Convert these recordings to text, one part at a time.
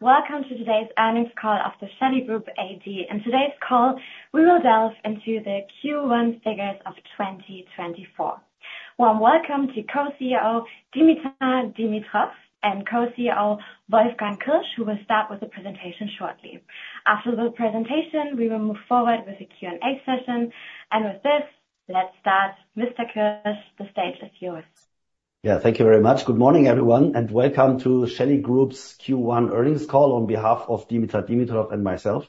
...Welcome to today's earnings call of the Shelly Group AD. In today's call, we will delve into the Q1 figures of 2024. Warm welcome to Co-CEO Dimitar Dimitrov, and Co-CEO Wolfgang Kirsch, who will start with the presentation shortly. After the presentation, we will move forward with the Q&A session. With this, let's start. Mr. Kirsch, the stage is yours. Yeah, thank you very much. Good morning, everyone, and welcome to Shelly Group's Q1 earnings call on behalf of Dimitar Dimitrov and myself.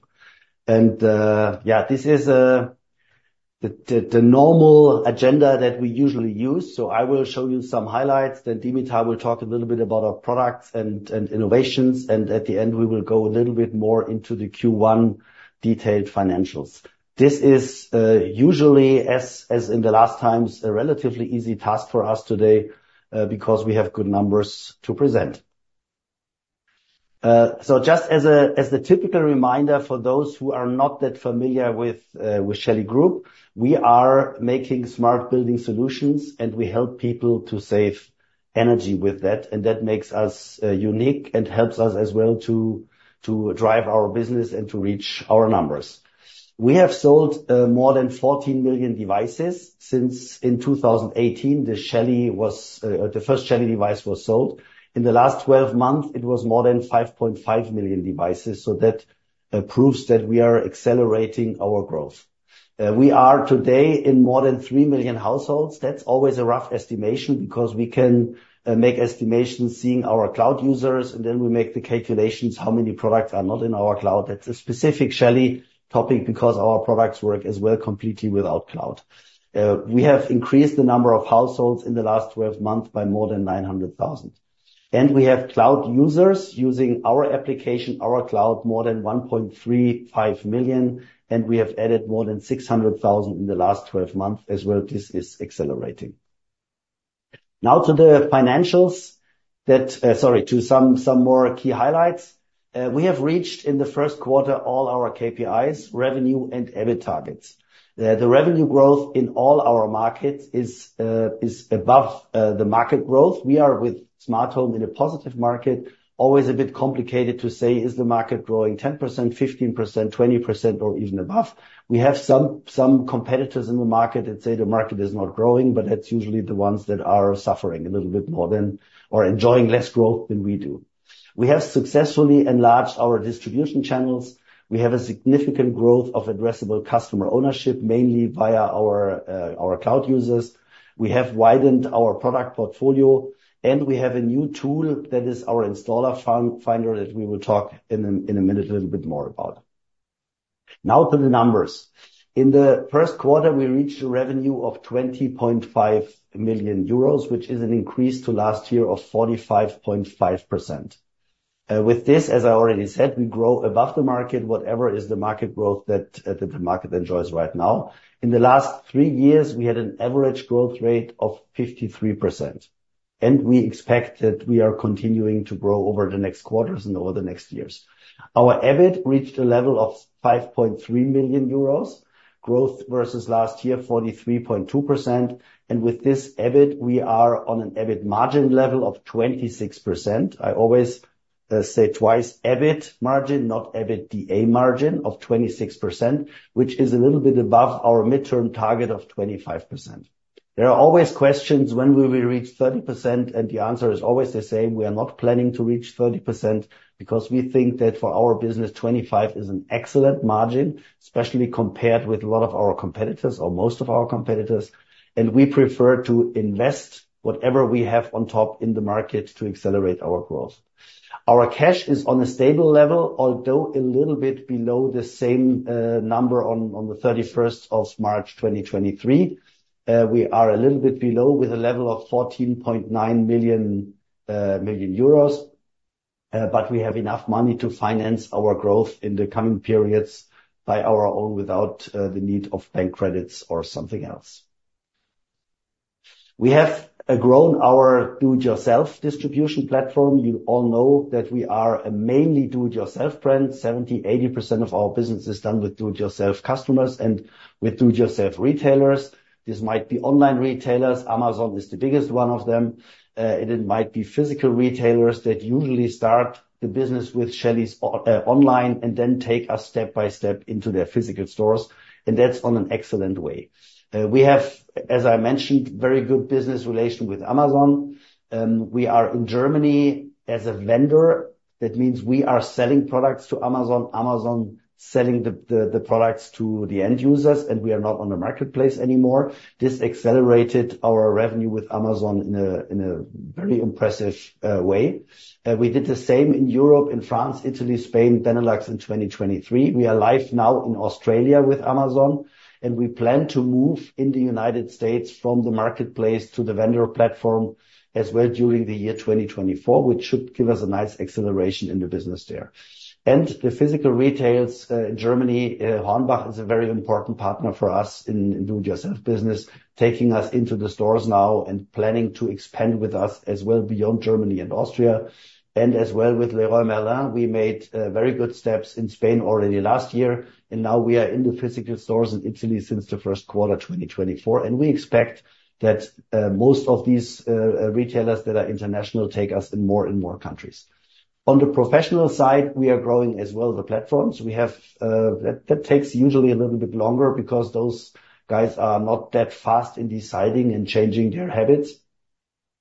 And, yeah, this is the normal agenda that we usually use. So I will show you some highlights, then Dimitar will talk a little bit about our products and innovations, and at the end, we will go a little bit more into the Q1 detailed financials. This is usually, as in the last times, a relatively easy task for us today, because we have good numbers to present. So just as the typical reminder for those who are not that familiar with Shelly Group, we are making smart building solutions, and we help people to save energy with that, and that makes us unique and helps us as well to drive our business and to reach our numbers. We have sold more than 14 million devices since in 2018, the Shelly was the first Shelly device was sold. In the last 12 months, it was more than 5.5 million devices, so that proves that we are accelerating our growth. We are today in more than 3 million households. That's always a rough estimation because we can make estimations seeing our cloud users, and then we make the calculations, how many products are not in our cloud. That's a specific Shelly topic because our products work as well completely without cloud. We have increased the number of households in the last 12 months by more than 900,000. And we have cloud users using our application, our cloud, more than 1.35 million, and we have added more than 600,000 in the last 12 months as well. This is accelerating. Now to the financials. Sorry, to some more key highlights. We have reached in the Q1 all our KPIs, revenue and EBIT targets. The revenue growth in all our markets is above the market growth. We are with smart home in a positive market, always a bit complicated to say, is the market growing 10%, 15%, 20%, or even above? We have some competitors in the market that say the market is not growing, but that's usually the ones that are suffering a little bit more or enjoying less growth than we do. We have successfully enlarged our distribution channels. We have a significant growth of addressable customer ownership, mainly via our cloud users. We have widened our product portfolio, and we have a new tool that is our installer finder, that we will talk in a minute, a little bit more about. Now to the numbers. In the Q1, we reached a revenue of 20.5 million euros, which is an increase to last year of 45.5%. With this, as I already said, we grow above the market, whatever is the market growth that the market enjoys right now. In the last three years, we had an average growth rate of 53%, and we expect that we are continuing to grow over the next quarters and over the next years. Our EBIT reached a level of 5.3 million euros, growth versus last year, 43.2%. And with this EBIT, we are on an EBIT margin level of 26%. I always say twice EBIT margin, not EBITDA margin of 26%, which is a little bit above our midterm target of 25%. There are always questions, when will we reach 30%? The answer is always the same: We are not planning to reach 30% because we think that for our business, 25 is an excellent margin, especially compared with a lot of our competitors or most of our competitors, and we prefer to invest whatever we have on top in the market to accelerate our growth. Our cash is on a stable level, although a little bit below the same number on March 31, 2023. We are a little bit below, with a level of 14.9 million euros, but we have enough money to finance our growth in the coming periods by our own, without the need of bank credits or something else. We have grown our do-it-yourself distribution platform. You all know that we are a mainly do-it-yourself brand. 70%-80% of our business is done with do-it-yourself customers and with do-it-yourself retailers. This might be online retailers. Amazon is the biggest one of them. And it might be physical retailers that usually start the business with Shelly's online, and then take us step by step into their physical stores, and that's on an excellent way. We have, as I mentioned, very good business relation with Amazon. We are in Germany as a vendor. That means we are selling products to Amazon, Amazon selling the products to the end users, and we are not on the marketplace anymore. This accelerated our revenue with Amazon in a very impressive way. We did the same in Europe, in France, Italy, Spain, Benelux in 2023. We are live now in Australia with Amazon, and we plan to move in the United States from the marketplace to the vendor platform as well during the year 2024, which should give us a nice acceleration in the business there. The physical retails in Germany, Hornbach is a very important partner for us in do-it-yourself business, taking us into the stores now and planning to expand with us as well beyond Germany and Austria. As well with Leroy Merlin, we made very good steps in Spain already last year, and now we are in the physical stores in Italy since the Q1, 2024. We expect that most of these retailers that are international take us in more and more countries. On the professional side, we are growing as well, the platforms. We have that takes usually a little bit longer because those guys are not that fast in deciding and changing their habits.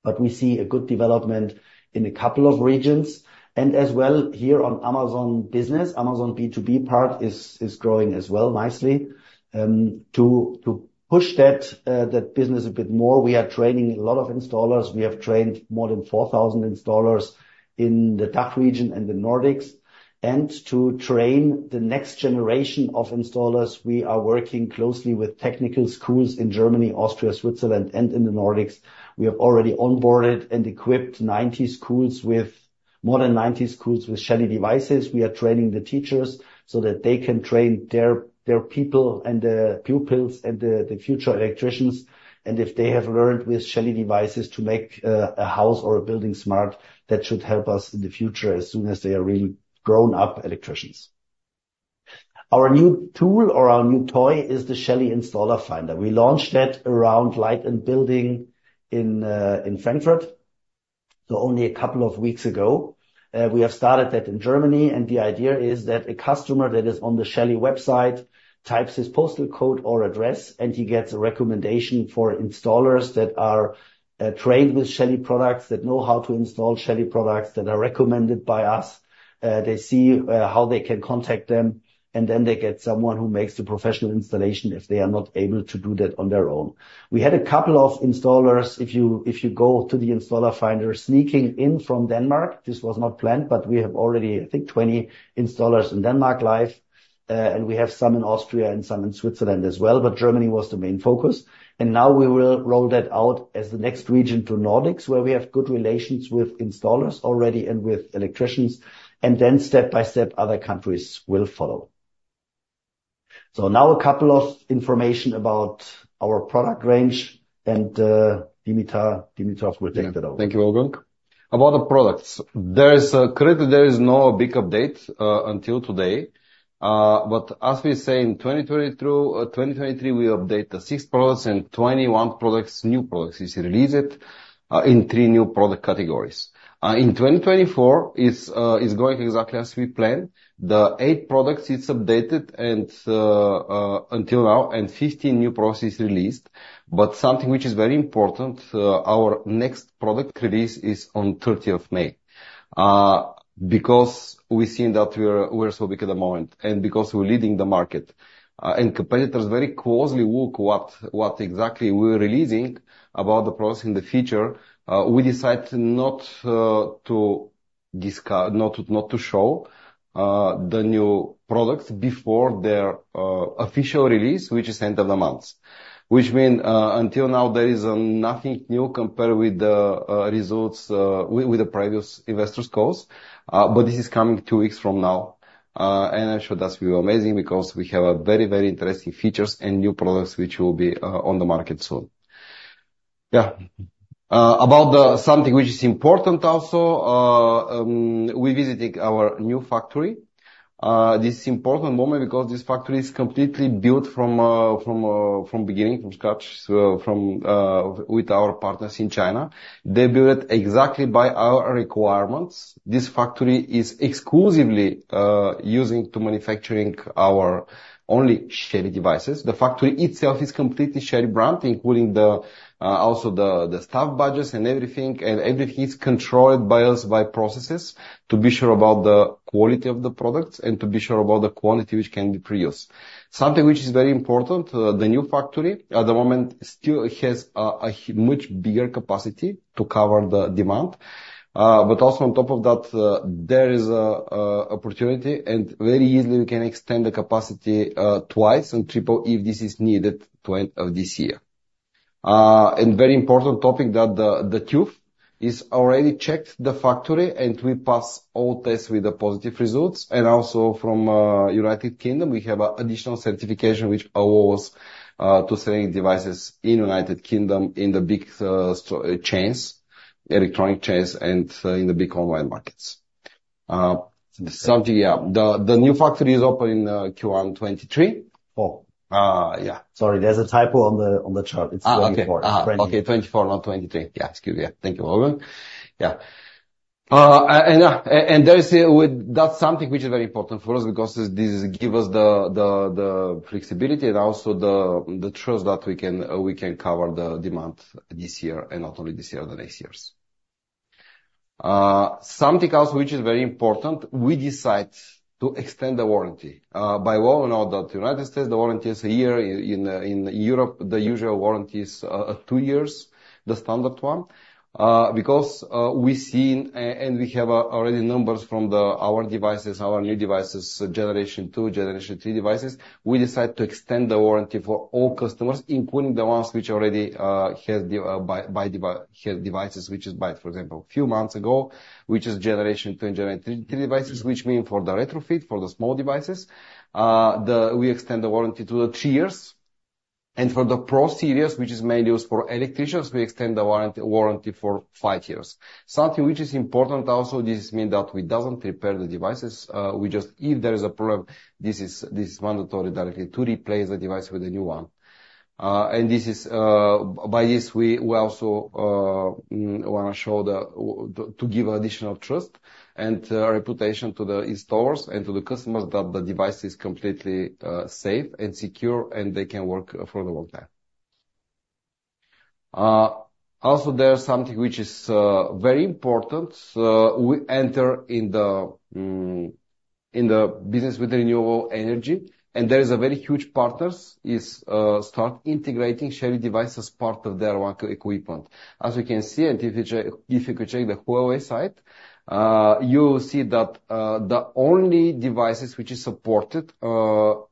But we see a good development in a couple of regions, and as well, here on Amazon business. Amazon B2B part is growing as well, nicely. To push that business a bit more, we are training a lot of installers. We have trained more than 4,000 installers in the DACH region and the Nordics. To train the next generation of installers, we are working closely with technical schools in Germany, Austria, Switzerland, and in the Nordics. We have already onboarded and equipped more than 90 schools with Shelly devices. We are training the teachers so that they can train their people and the pupils and the future electricians. And if they have learned with Shelly devices to make a house or a building smart, that should help us in the future, as soon as they are really grown-up electricians. Our new tool or our new toy is the Shelly Installer Finder. We launched that around Light and Building in Frankfurt, so only a couple of weeks ago. We have started that in Germany, and the idea is that a customer that is on the Shelly website types his postal code or address, and he gets a recommendation for installers that are trained with Shelly products, that know how to install Shelly products, that are recommended by us. They see how they can contact them, and then they get someone who makes the professional installation if they are not able to do that on their own. We had a couple of installers, if you, if you go to the Installer Finder, sneaking in from Denmark. This was not planned, but we have already, I think, 20 installers in Denmark live, and we have some in Austria and some in Switzerland as well, but Germany was the main focus. And now we will roll that out as the next region to Nordics, where we have good relations with installers already and with electricians, and then step by step, other countries will follow. So now a couple of information about our product range, and, Dimitar, Dimitar will take that over. Thank you, Holger. About the products, there is currently, there is no big update until today. But as we say, in 2020 through 2023, we update the 6 products, and 21 products, new products, is released in 3 new product categories. In 2024, is going exactly as we planned. The 8 products is updated, and until now, and 15 new products is released. But something which is very important, our next product release is on 30th May. Because we've seen that we are, we're so big at the moment, and because we're leading the market, and competitors very closely look what exactly we're releasing about the products in the future, we decided not to show the new products before their official release, which is end of the month. Which mean, until now, there is nothing new compared with the results with the previous investors calls, but this is coming two weeks from now. And I'm sure that's will be amazing because we have a very, very interesting features and new products which will be on the market soon. Yeah. About something which is important also, we visited our new factory. This is important moment because this factory is completely built from beginning, from scratch. With our partners in China. They build it exactly by our requirements. This factory is exclusively using to manufacturing our only Shelly devices. The factory itself is completely Shelly brand, including also the staff badges and everything, and everything is controlled by us, by processes, to be sure about the quality of the products and to be sure about the quantity which can be produced. Something which is very important, the new factory at the moment still has a much bigger capacity to cover the demand. But also on top of that, there is a opportunity, and very easily we can extend the capacity, twice and triple if this is needed to end of this year. And very important topic that the TÜV is already checked the factory, and we pass all tests with the positive results. And also from United Kingdom, we have a additional certification which allows to selling devices in United Kingdom, in the big stores, electronic chains, and in the big online markets. Something, yeah. The new factory is open in Q1 2023. Oh! Uh, yeah. Sorry, there's a typo on the chart. It's 24. Ah, okay. Okay, 24, not 23. Yeah, excuse me. Thank you, Holger. Yeah. And there is that's something which is very important for us because this give us the flexibility and also the trust that we can cover the demand this year, and not only this year, the next years. Something else which is very important, we decide to extend the warranty. But well known that in the United States, the warranty is a year, in Europe, the usual warranty is two years, the standard one. Because we've seen and we have already numbers from our devices, our new devices, generation two, generation three devices, we decide to extend the warranty for all customers, including the ones which already has the devices, which is by, for example, few months ago, which is generation two and generation three devices, which mean for the retrofit, for the small devices, we extend the warranty to three years. And for the Pro series, which is mainly used for electricians, we extend the warranty for five years. Something which is important also, this mean that we doesn't repair the devices, we just... If there is a problem, this is, this is mandatory directly to replace the device with a new one. And this is, by this we, we also wanna show the, to give additional trust and reputation to the installers and to the customers that the device is completely safe and secure, and they can work for the long time. Also there's something which is very important. We enter in the, in the business with renewable energy, and there is a very huge partners is start integrating Shelly devices as part of their one equipment. As you can see, and if you could check the Huawei site, you will see that the only devices which is supported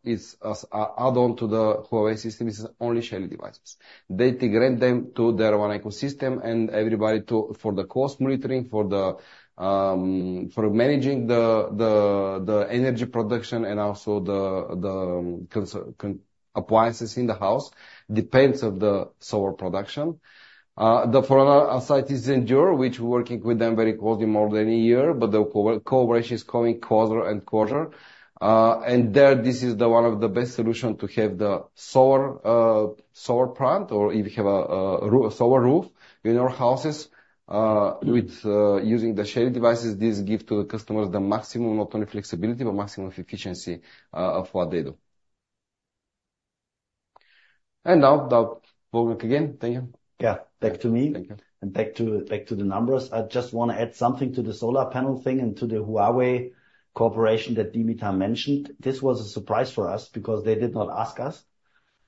is as a add-on to the Huawei system is only Shelly devices. They integrate them to their one ecosystem and everybody to—for the cost monitoring, for the managing the energy production and also the consumption appliances in the house, depends on the solar production. The other site is Zendure, which working with them very closely more than a year, but the cooperation is coming quarter-and-quarter. And there, this is one of the best solution to have the solar plant, or if you have a solar roof in your houses, with using the Shelly devices, this give to the customers the maximum, not only flexibility, but maximum efficiency of what they do. And now Wolfgang again. Thank you. Yeah, back to me. Thank you. And back to the numbers. I just want to add something to the solar panel thing and to the Huawei cooperation that Dimitar mentioned. This was a surprise for us because they did not ask us.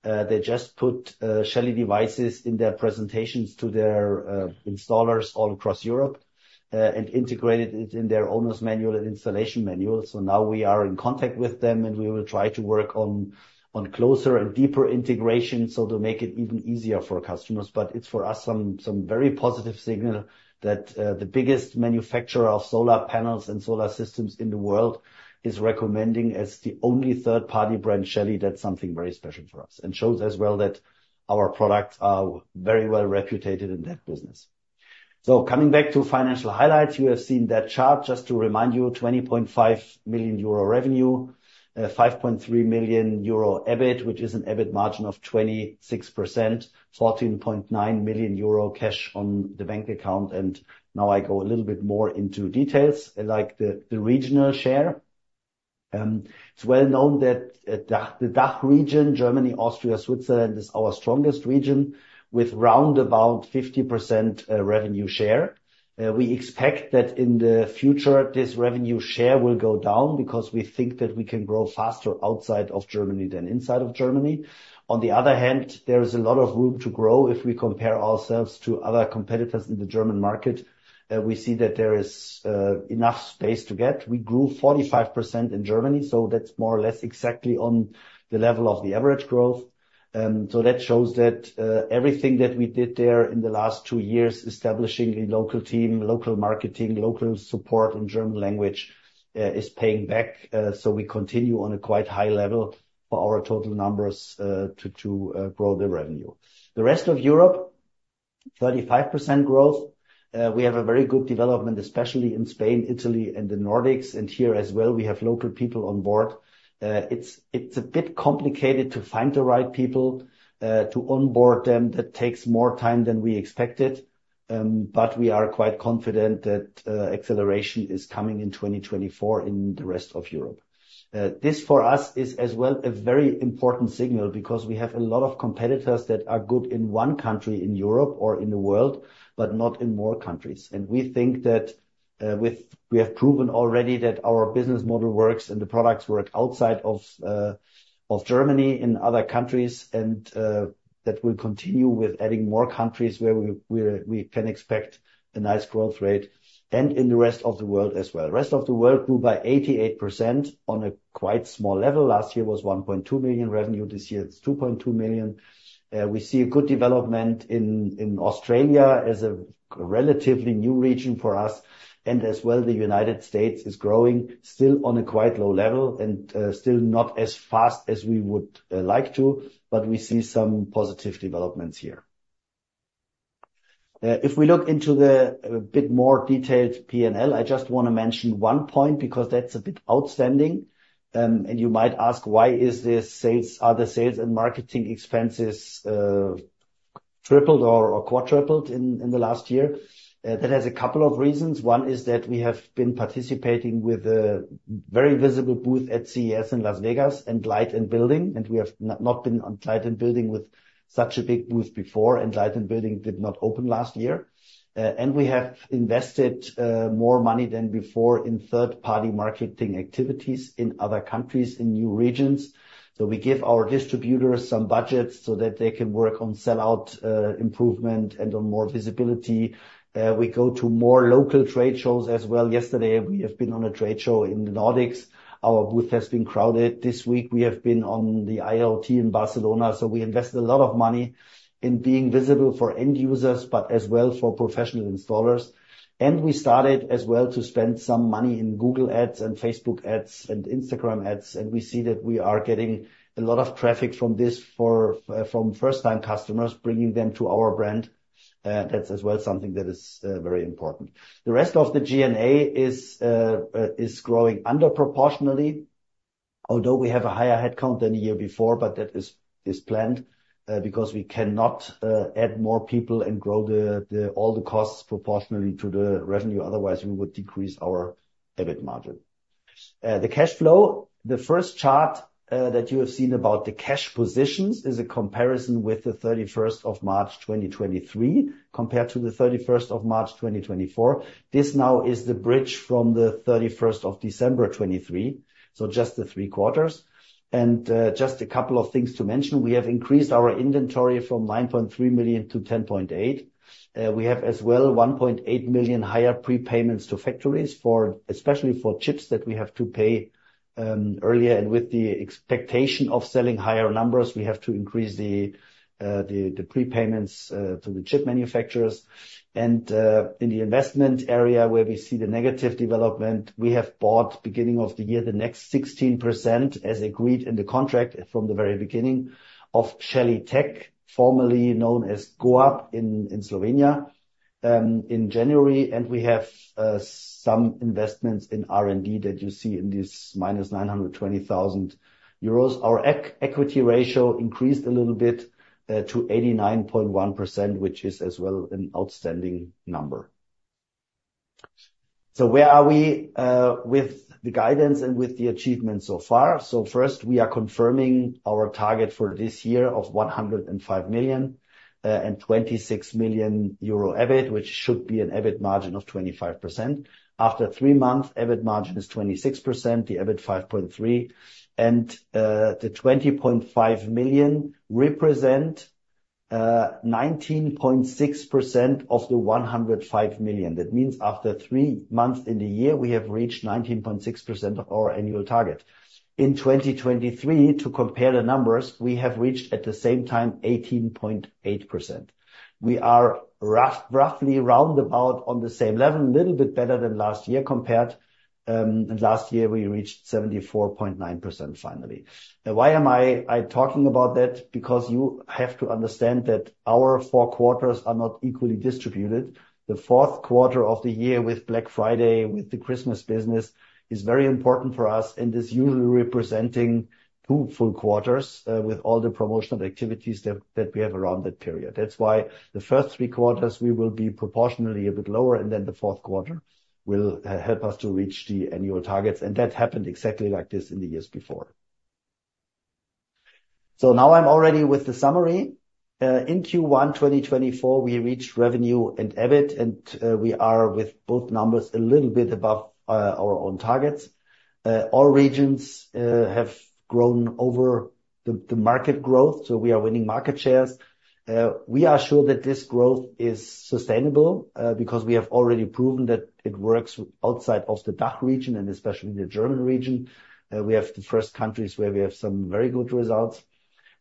They just put Shelly devices in their presentations to their installers all across Europe and integrated it in their owner's manual and installation manual. So now we are in contact with them, and we will try to work on, on closer and deeper integration, so to make it even easier for customers. But it's for us, some, some very positive signal that the biggest manufacturer of solar panels and solar systems in the world is recommending as the only third-party brand, Shelly. That's something very special for us and shows as well that our products are very well reputed in that business. So coming back to financial highlights, you have seen that chart. Just to remind you, 20.5 million euro revenue, five point three million euro EBIT, which is an EBIT margin of 26%, 14.9 million euro cash on the bank account. And now I go a little bit more into details, like the regional share. It's well known that the DACH region, Germany, Austria, Switzerland, is our strongest region, with round about 50%, revenue share. We expect that in the future, this revenue share will go down because we think that we can grow faster outside of Germany than inside of Germany. On the other hand, there is a lot of room to grow if we compare ourselves to other competitors in the German market. We see that there is enough space to get. We grew 45% in Germany, so that's more or less exactly on the level of the average growth. So that shows that everything that we did there in the last two years, establishing a local team, local marketing, local support in German language, is paying back. So we continue on a quite high level for our total numbers to grow the revenue. The rest of Europe, 35% growth. We have a very good development, especially in Spain, Italy, and the Nordics, and here as well, we have local people on board. It's a bit complicated to find the right people to onboard them. That takes more time than we expected, but we are quite confident that acceleration is coming in 2024 in the rest of Europe. This for us is as well a very important signal because we have a lot of competitors that are good in one country in Europe or in the world, but not in more countries. And we think that we have proven already that our business model works and the products work outside of of Germany, in other countries, and that will continue with adding more countries where we, where we can expect a nice growth rate and in the rest of the world as well. Rest of the world grew by 88% on a quite small level. Last year was 1.2 billion revenue, this year it's 2.2 million. We see a good development in Australia as a relatively new region for us, and as well, the United States is growing, still on a quite low level and still not as fast as we would like to, but we see some positive developments here. If we look into a bit more detailed P&L, I just wanna mention one point, because that's a bit outstanding. You might ask, why is this sales and marketing expenses tripled or quadrupled in the last year? That has a couple of reasons. One is that we have been participating with a very visible booth at CES in Las Vegas and Light & Building, and we have not been on Light & Building with such a big booth before, and Light & Building did not open last year. And we have invested more money than before in third-party marketing activities in other countries, in new regions. So we give our distributors some budgets so that they can work on sell-out improvement and on more visibility. We go to more local trade shows as well. Yesterday, we have been on a trade show in the Nordics. Our booth has been crowded. This week, we have been on the IoT in Barcelona, so we invested a lot of money in being visible for end users, but as well for professional installers. And we started as well to spend some money in Google Ads and Facebook Ads and Instagram ads, and we see that we are getting a lot of traffic from this for from first-time customers, bringing them to our brand. That's as well something that is very important. The rest of the GNA is growing under proportionally, although we have a higher headcount than the year before, but that is planned because we cannot add more people and grow all the costs proportionally to the revenue, otherwise we would decrease our EBIT margin. The cash flow, the first chart that you have seen about the cash positions is a comparison with the thirty-first of March, 2023, compared to the thirty-first of March, 2024. This now is the bridge from the thirty-first of December, 2023, so just the Q3. Just a couple of things to mention, we have increased our inventory from 9.3 million to 10.8 million. We have as well 1.8 million higher prepayments to factories for especially for chips that we have to pay earlier. With the expectation of selling higher numbers, we have to increase the prepayments to the chip manufacturers. In the investment area, where we see the negative development, we have bought, beginning of the year, the next 16%, as agreed in the contract from the very beginning, of Shelly Tech, formerly known as GOAP in Slovenia in January, and we have some investments in R&D that you see in this -920,000 euros. Our equity ratio increased a little bit to 89.1%, which is as well an outstanding number. Where are we with the guidance and with the achievements so far? So first, we are confirming our target for this year of 105 million and 26 million euro EBIT, which should be an EBIT margin of 25%. After three months, EBIT margin is 26%, the EBIT 5.3 million, and the 20.5 million represent 19.6% of the 105 million. That means after three months in the year, we have reached 19.6% of our annual target. In 2023, to compare the numbers, we have reached, at the same time, 18.8%. We are roughly round about on the same level, a little bit better than last year compared, and last year we reached 74.9% finally. Now, why am I talking about that? Because you have to understand that our Q4 are not equally distributed. The Q4 of the year, with Black Friday, with the Christmas business, is very important for us and is usually representing full Q2, with all the promotional activities that we have around that period. That's why the first Q3, we will be proportionally a bit lower, and then the Q4 will help us to reach the annual targets, and that happened exactly like this in the years before. So now I'm already with the summary. In Q1, 2024, we reached revenue and EBIT, and we are with both numbers a little bit above our own targets. All regions have grown over the market growth, so we are winning market shares. We are sure that this growth is sustainable, because we have already proven that it works outside of the DACH region and especially the German region. We have the first countries where we have some very good results.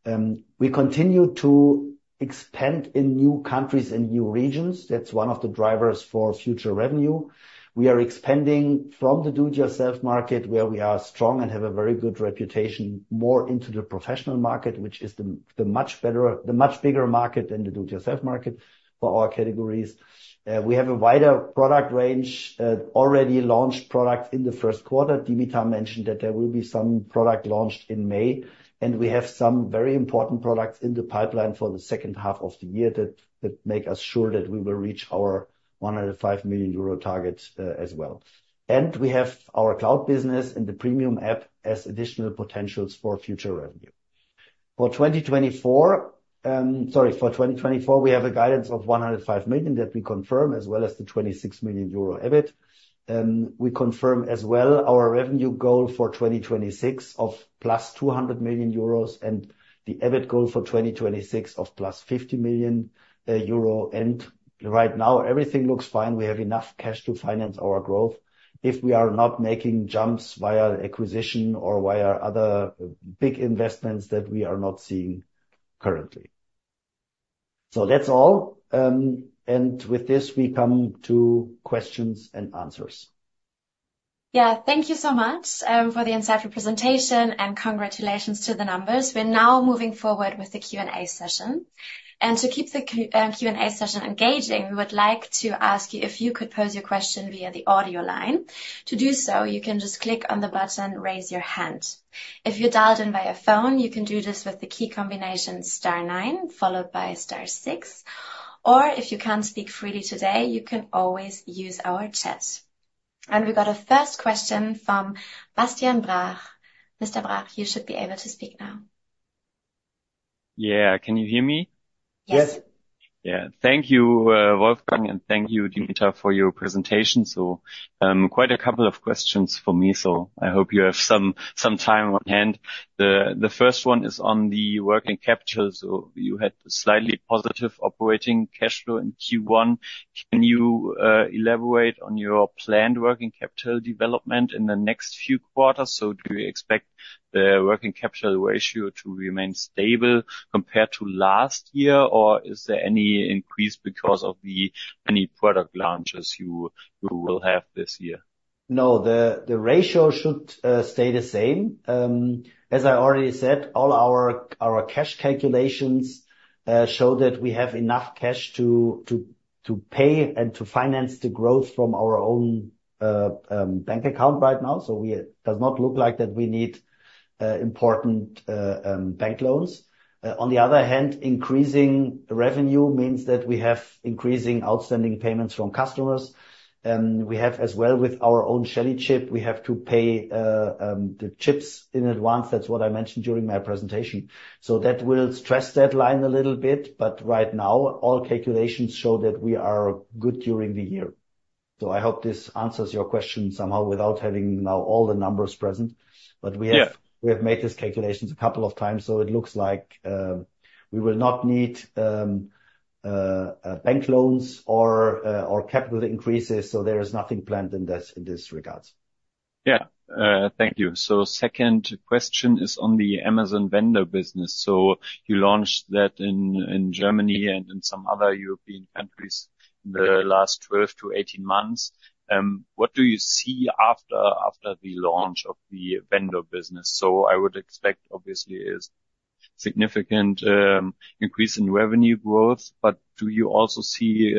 We continue to expand in new countries and new regions. That's one of the drivers for future revenue. We are expanding from the do-it-yourself market, where we are strong and have a very good reputation, more into the professional market, which is the much bigger market than the do-it-yourself market for all categories. We have a wider product range, already launched products in the Q1. Dimitar mentioned that there will be some product launched in May, and we have some very important products in the pipeline for the second half of the year, that make us sure that we will reach our 105 million euro target, as well. We have our cloud business and the premium app as additional potentials for future revenue. For 2024, sorry, for 2024, we have a guidance of 105 million that we confirm, as well as the 26 million euro EBIT. We confirm as well, our revenue goal for 2026 of +200 million euros, and the EBIT goal for 2026 of +50 million euro. Right now, everything looks fine. We have enough cash to finance our growth if we are not making jumps via acquisition or via other big investments that we are not seeing currently. So that's all. With this, we come to questions and answers. Yeah. Thank you so much for the insightful presentation, and congratulations to the numbers. We're now moving forward with the Q&A session. To keep the Q&A session engaging, we would like to ask you if you could pose your question via the audio line. To do so, you can just click on the button: Raise Your Hand. If you dialed in via phone, you can do this with the key combination star nine, followed by star six, or if you can't speak freely today, you can always use our chat. We've got a first question from Bastian Brach. Mr. Brach, you should be able to speak now. Yeah. Can you hear me? Yes. Yeah. Thank you, Wolfgang, and thank you, Dimitar, for your presentation. Quite a couple of questions for me, so I hope you have some time on hand. The first one is on the working capital. So you had slightly positive operating cash flow in Q1. Can you elaborate on your planned working capital development in the next few quarters? So do you expect the working capital ratio to remain stable compared to last year, or is there any increase because of any product launches you w ill have this year? No, the ratio should stay the same. As I already said, all our cash calculations show that we have enough cash to pay and to finance the growth from our own bank account right now. So we... It does not look like that we need important bank loans. On the other hand, increasing revenue means that we have increasing outstanding payments from customers, and we have as well with our own Shelly chip, we have to pay the chips in advance. That's what I mentioned during my presentation. That will stress that line a little bit, but right now, all calculations show that we are good during the year. I hope this answers your question somehow without having now all the numbers present. Yeah. But we have made these calculations a couple of times, so it looks like we will not need bank loans or capital increases, so there is nothing planned in this regard. Yeah. Thank you. So second question is on the Amazon vendor business. So you launched that in Germany and in some other European countries in the last 12-18 months. What do you see after the launch of the vendor business? So I would expect, obviously, a significant increase in revenue growth. But do you also see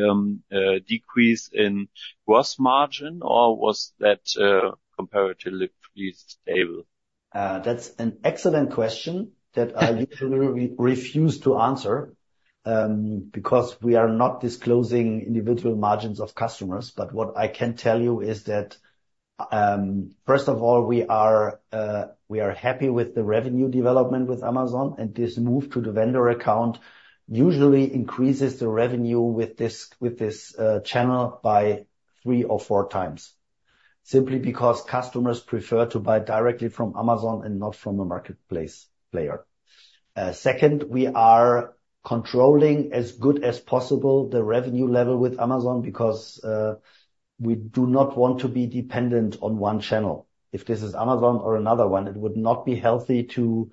a decrease in gross margin, or was that comparatively stable? That's an excellent question that I usually refuse to answer, because we are not disclosing individual margins of customers. But what I can tell you is that, first of all, we are, we are happy with the revenue development with Amazon, and this move to the vendor account usually increases the revenue with this channel by three or four times. Simply because customers prefer to buy directly from Amazon and not from a marketplace player. Second, we are controlling as good as possible the revenue level with Amazon because, we do not want to be dependent on one channel. If this is Amazon or another one, it would not be healthy to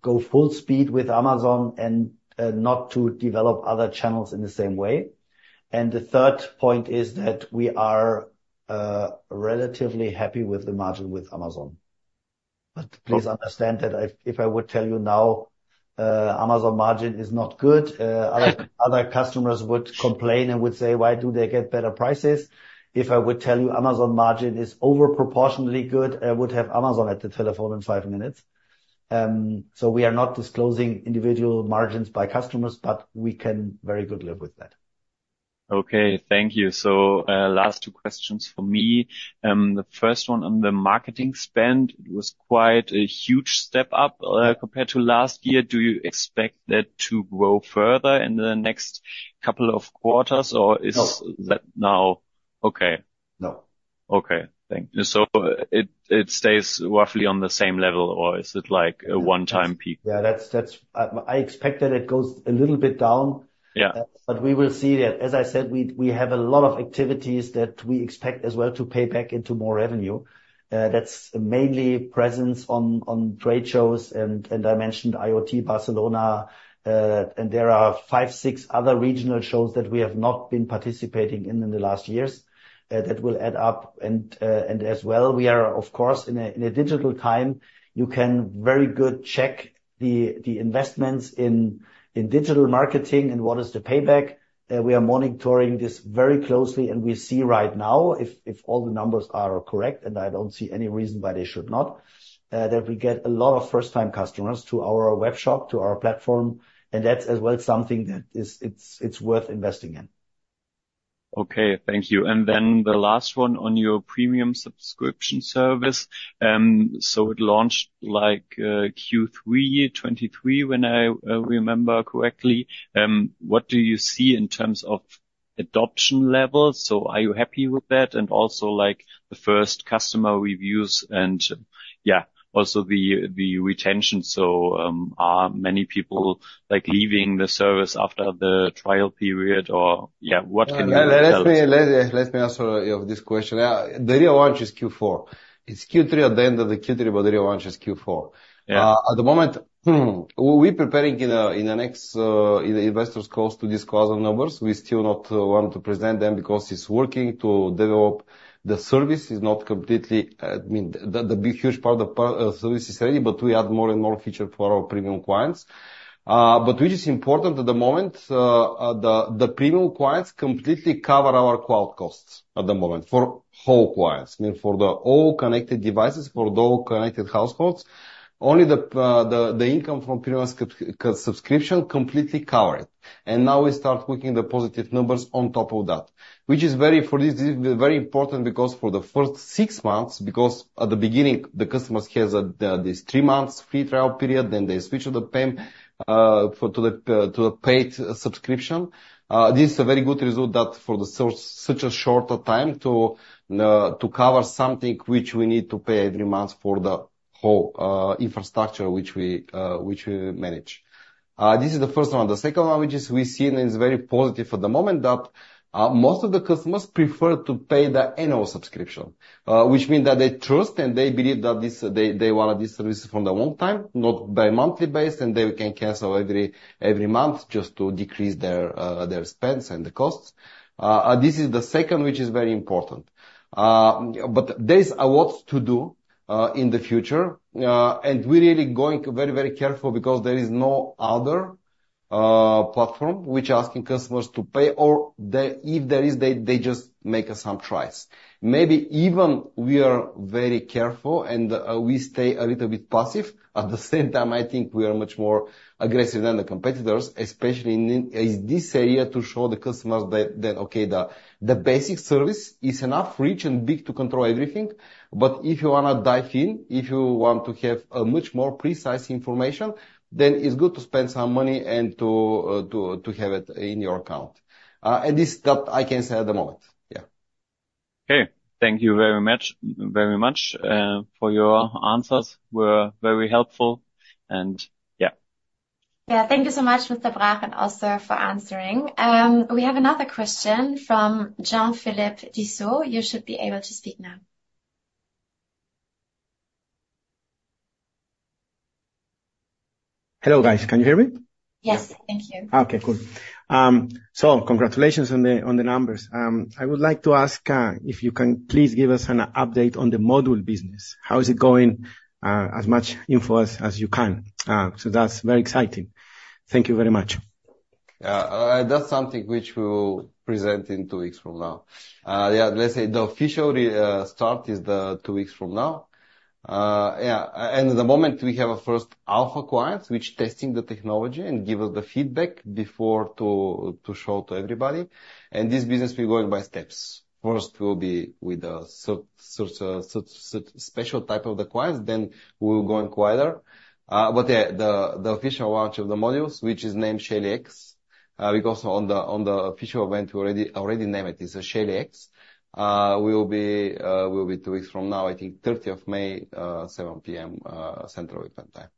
go full speed with Amazon and, not to develop other channels in the same way. And the third point is that we are relatively happy with the margin with Amazon. But please understand that if I would tell you now, Amazon margin is not good, other customers would complain and would say, "Why do they get better prices?" If I would tell you Amazon margin is over-proportionately good, I would have Amazon at the telephone in five minutes. So we are not disclosing individual margins by customers, but we can very good live with that. Okay, thank you. So, last two questions for me. The first one on the marketing spend, it was quite a huge step up, compared to last year. Do you expect that to grow further in the next couple of quarters, or is- No. That now okay? No. Okay. Thank you. So it stays roughly on the same level, or is it like a one-time peak? Yeah, that's. I expect that it goes a little bit down. Yeah. But we will see that. As I said, we have a lot of activities that we expect as well to pay back into more revenue. That's mainly presence on trade shows, and I mentioned IoT Barcelona, and there are five, six other regional shows that we have not been participating in the last years that will add up. And as well, we are of course in a digital time, you can very good check the investments in digital marketing and what is the payback. We are monitoring this very closely, and we see right now, if all the numbers are correct, and I don't see any reason why they should not, that we get a lot of first-time customers to our webshop, to our platform, and that's as well something that's worth investing in. Okay, thank you. And then the last one on your premium subscription service. So it launched, like, Q3 2023, when I remember correctly. What do you see in terms of adoption levels? So are you happy with that? And also, like the first customer reviews and, yeah, also the, the retention. So, are many people, like, leaving the service after the trial period or, yeah, what can you tell us? Let me answer this question. The real launch is Q4. It's Q3 at the end of the Q3, but the real launch is Q4. Yeah. At the moment, we're preparing in the next investors calls to disclose the numbers. We still not want to present them because it's working to develop the service. It's not completely, I mean, the big, huge part of service is ready, but we add more and more feature for our premium clients. But which is important at the moment, the premium clients completely cover our cloud costs at the moment, for whole clients. I mean, for the all connected devices, for the all connected households, only the income from premium subscription completely cover it. Now we start looking the positive numbers on top of that, which is very, for this, this is very important because for the first six months, because at the beginning, the customers has a this three months free trial period, then they switch on the pay for to the paid subscription. This is a very good result that for the such a shorter time to to cover something which we need to pay every month for the whole infrastructure which we which we manage. This is the first one. The second one, which is we've seen and is very positive at the moment, that most of the customers prefer to pay the annual subscription, which means that they trust and they believe that this, they want this service from the long time, not by monthly based, and they can cancel every month just to decrease their spends and the costs. This is the second, which is very important. But there is a lot to do in the future, and we're really going very, very careful because there is no other platform which asking customers to pay or if there is, they just make some tries. Maybe even we are very careful and we stay a little bit passive. At the same time, I think we are much more aggressive than the competitors, especially in this area, to show the customers that okay, the basic service is enough rich and big to control everything. But if you wanna dive in, if you want to have a much more precise information, then it's good to spend some money and to have it in your account. And this, that I can say at the moment, yeah.... Okay, thank you very much, very much, for your answers, were very helpful, and yeah. Yeah, thank you so much, Mr. Brach, and also for answering. We have another question from Jean-Philippe Dussault. You should be able to speak now. Hello, guys. Can you hear me? Yes, thank you. Okay, cool. So congratulations on the numbers. I would like to ask if you can please give us an update on the module business. How is it going? As much info as you can. So that's very exciting. Thank you very much. That's something which we'll present in two weeks from now. Yeah, let's say the official restart is two weeks from now. Yeah, and at the moment, we have a first alpha clients, which testing the technology and give us the feedback before to show to everybody, and this business will be going by steps. First, will be with the special type of the clients, then we will go wider. But yeah, the official launch of the modules, which is named Shelly C, because on the official event, we already name it, is Shelly C. It will be two weeks from now, I think May 30, 7 P.M., Central European Time.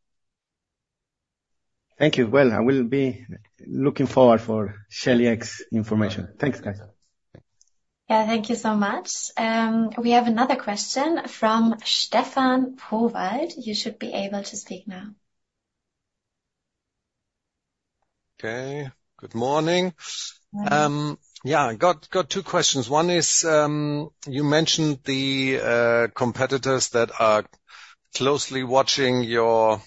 Thank you. Well, I will be looking forward for Shelly C information. Thanks, guys. Yeah, thank you so much. We have another question from Stefan Pruwald. You should be able to speak now. Okay, good morning. Morning. Yeah, I got two questions. One is, you mentioned the competitors that are closely watching your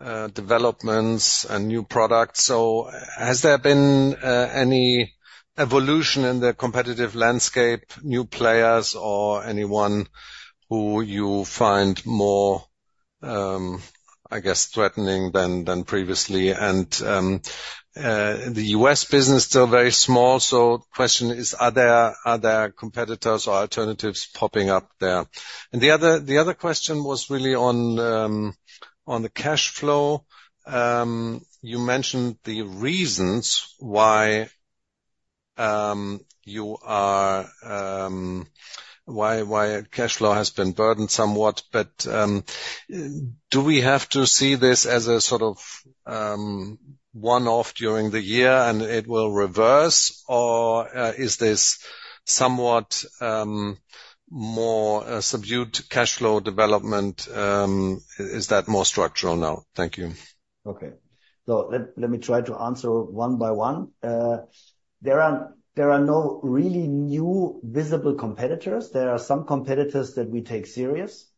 developments and new products. So has there been any evolution in the competitive landscape, new players, or anyone who you find more, I guess, threatening than previously? And, the U.S. business still very small, so question is, are there competitors or alternatives popping up there? And the other question was really on the cash flow. You mentioned the reasons why cash flow has been burdened somewhat, but, do we have to see this as a sort of one-off during the year, and it will reverse, or, is this somewhat more subdued cash flow development? Is that more structural now? Thank you. Okay. Let me try to answer one by one. There are no really new visible competitors. There are some competitors that we take serious,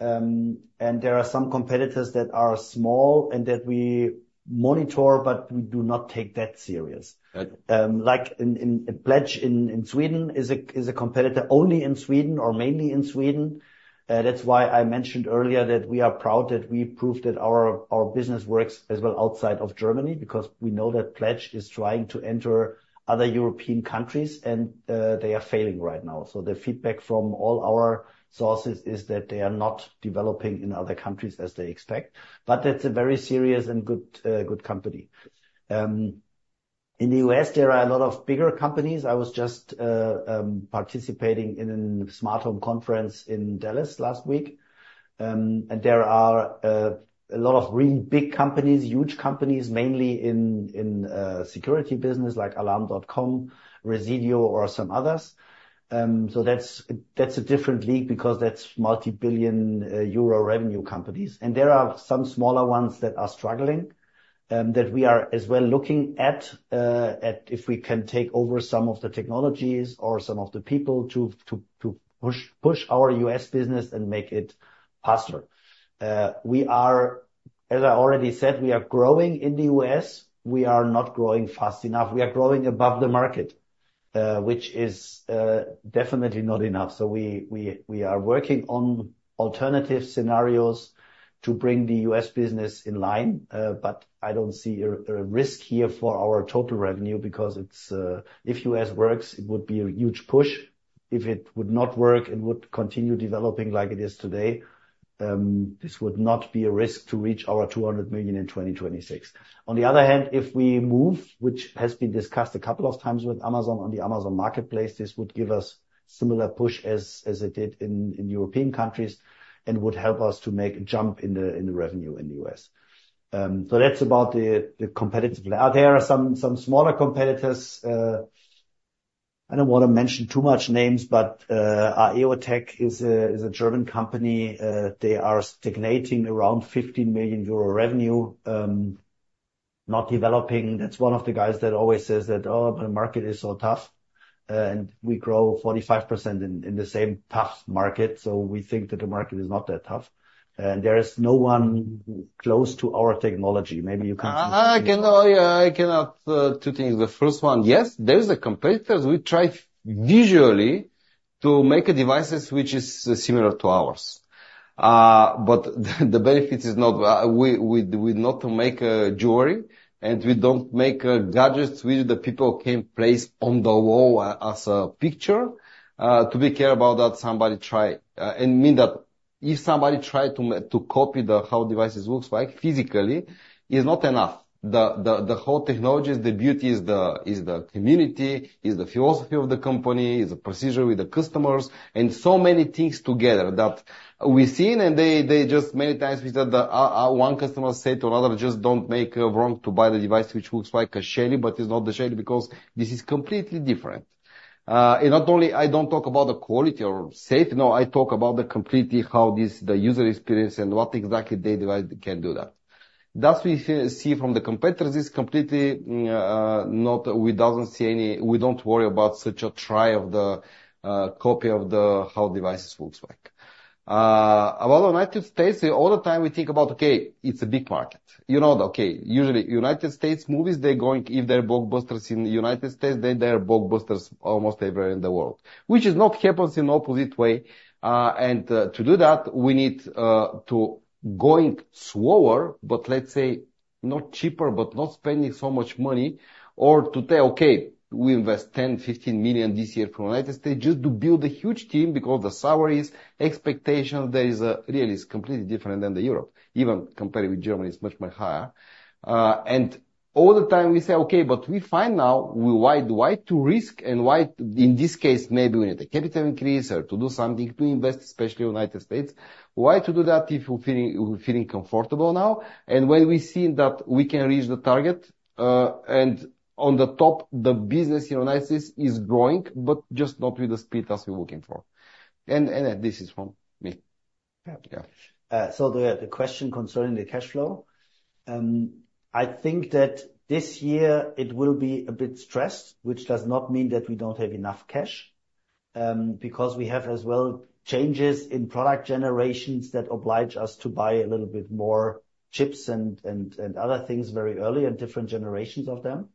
and there are some competitors that are small and that we monitor, but we do not take that serious. Right. Like in Pledge in Sweden is a competitor only in Sweden or mainly in Sweden. That's why I mentioned earlier that we are proud that we proved that our business works as well outside of Germany, because we know that Plejd is trying to enter other European countries, and they are failing right now. So the feedback from all our sources is that they are not developing in other countries as they expect, but that's a very serious and good company. In the U.S., there are a lot of bigger companies. I was just participating in a smart home conference in Dallas last week. And there are a lot of really big companies, huge companies, mainly in security business like alarm.com, Resideo, or some others. So that's, that's a different league because that's multi-billion EUR revenue companies. And there are some smaller ones that are struggling, that we are as well looking at, at if we can take over some of the technologies or some of the people to push our U.S. business and make it faster. As I already said, we are growing in the U.S. We are not growing fast enough. We are growing above the market, which is definitely not enough. So we are working on alternative scenarios to bring the U.S. business in line, but I don't see a risk here for our total revenue because it's if U.S. works, it would be a huge push. If it would not work, it would continue developing like it is today, this would not be a risk to reach our 200 million in 2026. On the other hand, if we move, which has been discussed a couple of times with Amazon on the Amazon Marketplace, this would give us similar push as it did in European countries and would help us to make a jump in the revenue in the US. So that's about the competitive. There are some smaller competitors, I don't want to mention too much names, but our Aeotec is a German company. They are stagnating around 50 million euro revenue, not developing. That's one of the guys that always says that, "Oh, the market is so tough," and we grow 45% in the same tough market. So we think that the market is not that tough. And there is no one close to our technology. Maybe you can- I can add two things. The first one, yes, there is a competitors. We try visually to make devices which is similar to ours. But the benefit is not, we not to make a jewelry, and we don't make gadgets which the people can place on the wall as a picture, to be care about that somebody try, and mean that if somebody tried to copy the how devices looks like physically, is not enough. The whole technology is the beauty, the community, the philosophy of the company, the procedure with the customers, and so many things together that we've seen, and they just many times we said that our one customer said to another, "Just don't make a wrong to buy the device, which looks like a Shelly, but it's not the Shelly, because this is completely different." And not only I don't talk about the quality or safe, no, I talk about completely how this, the user experience and what exactly the device can do. That we see from the competitors is completely not we doesn't see any. We don't worry about such a try of the copy of how devices looks like. About United States, all the time we think about, okay, it's a big market. You know, okay, usually United States movies, they're going, if they're blockbusters in United States, then they're blockbusters almost everywhere in the world. Which is not happens in opposite way. And, to do that, we need, to going slower, but let's say, not cheaper, but not spending so much money or to tell, okay, we invest 10-15 million this year for United States just to build a huge team, because the salaries, expectations, there is really, it's completely different than the Europe. Even compared with Germany, it's much, much higher. And all the time we say, okay, but we find now why, why to risk and why, in this case, maybe we need a capital increase or to do something to invest, especially United States. Why to do that if we're feeling comfortable now? And when we've seen that we can reach the target, and on the top, the business in United States is growing, but just not with the speed as we're looking for. And this is from me. Yeah. Yeah. So the question concerning the cash flow, I think that this year it will be a bit stressed, which does not mean that we don't have enough cash, because we have as well changes in product generations that oblige us to buy a little bit more chips and other things very early and different generations of them.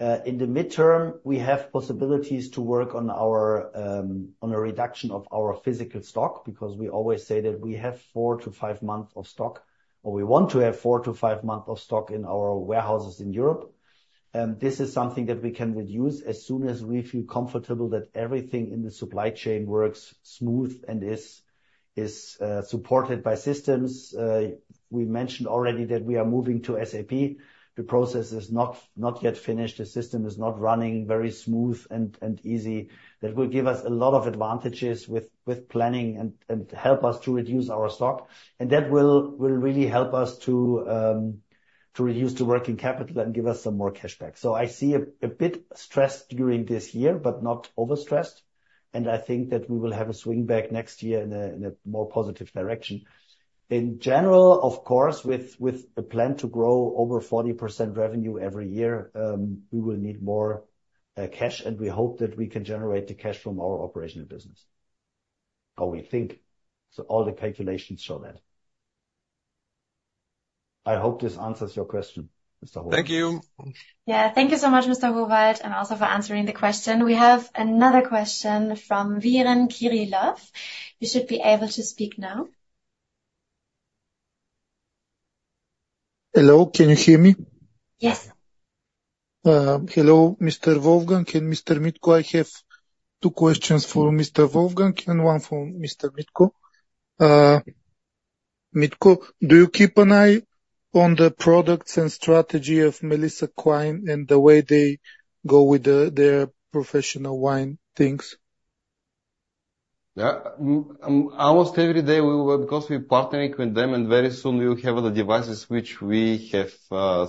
In the midterm, we have possibilities to work on our on a reduction of our physical stock, because we always say that we have four to five months of stock, or we want to have four to five months of stock in our warehouses in Europe. And this is something that we can reduce as soon as we feel comfortable that everything in the supply chain works smooth and is supported by systems. We mentioned already that we are moving to SAP. The process is not yet finished. The system is not running very smooth and easy. That will give us a lot of advantages with planning and help us to reduce our stock, and that will really help us to reduce the working capital and give us some more cash back. So I see a bit stressed during this year, but not overstressed, and I think that we will have a swing back next year in a more positive direction. In general, of course, with a plan to grow over 40% revenue every year, we will need more cash, and we hope that we can generate the cash from our operational business. Or we think so, all the calculations show that. I hope this answers your question, Mr. Pruwald. Thank you. Yeah, thank you so much, Mr. Prowald, and also for answering the question. We have another question from Viren Kirilov. You should be able to speak now. Hello, can you hear me? Yes. Hello, Mr. Wolfgang and Mr. Mitko. I have two questions for Mr. Wolfgang and one for Mr. Mitko. Mitko, do you keep an eye on the products and strategy of Melissa Klein and the way they go with the, their professional line things? Yeah, almost every day we work because we're partnering with them, and very soon we will have the devices which we have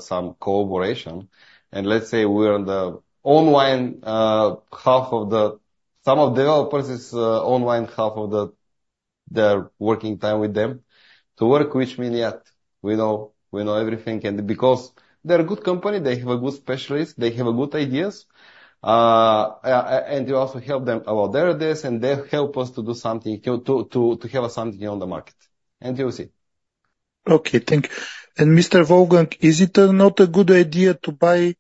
some cooperation. And let's say we're on the online half of the. Some of developers is online, half of the their working time with them. To work with Miniat, we know, we know everything, and because they're a good company, they have a good specialist, they have a good ideas. And we also help them about their ideas, and they help us to do something, to, to, to have something on the market. And you'll see. Okay, thank you. And Mr. Wolfgang, is it not a good idea to buy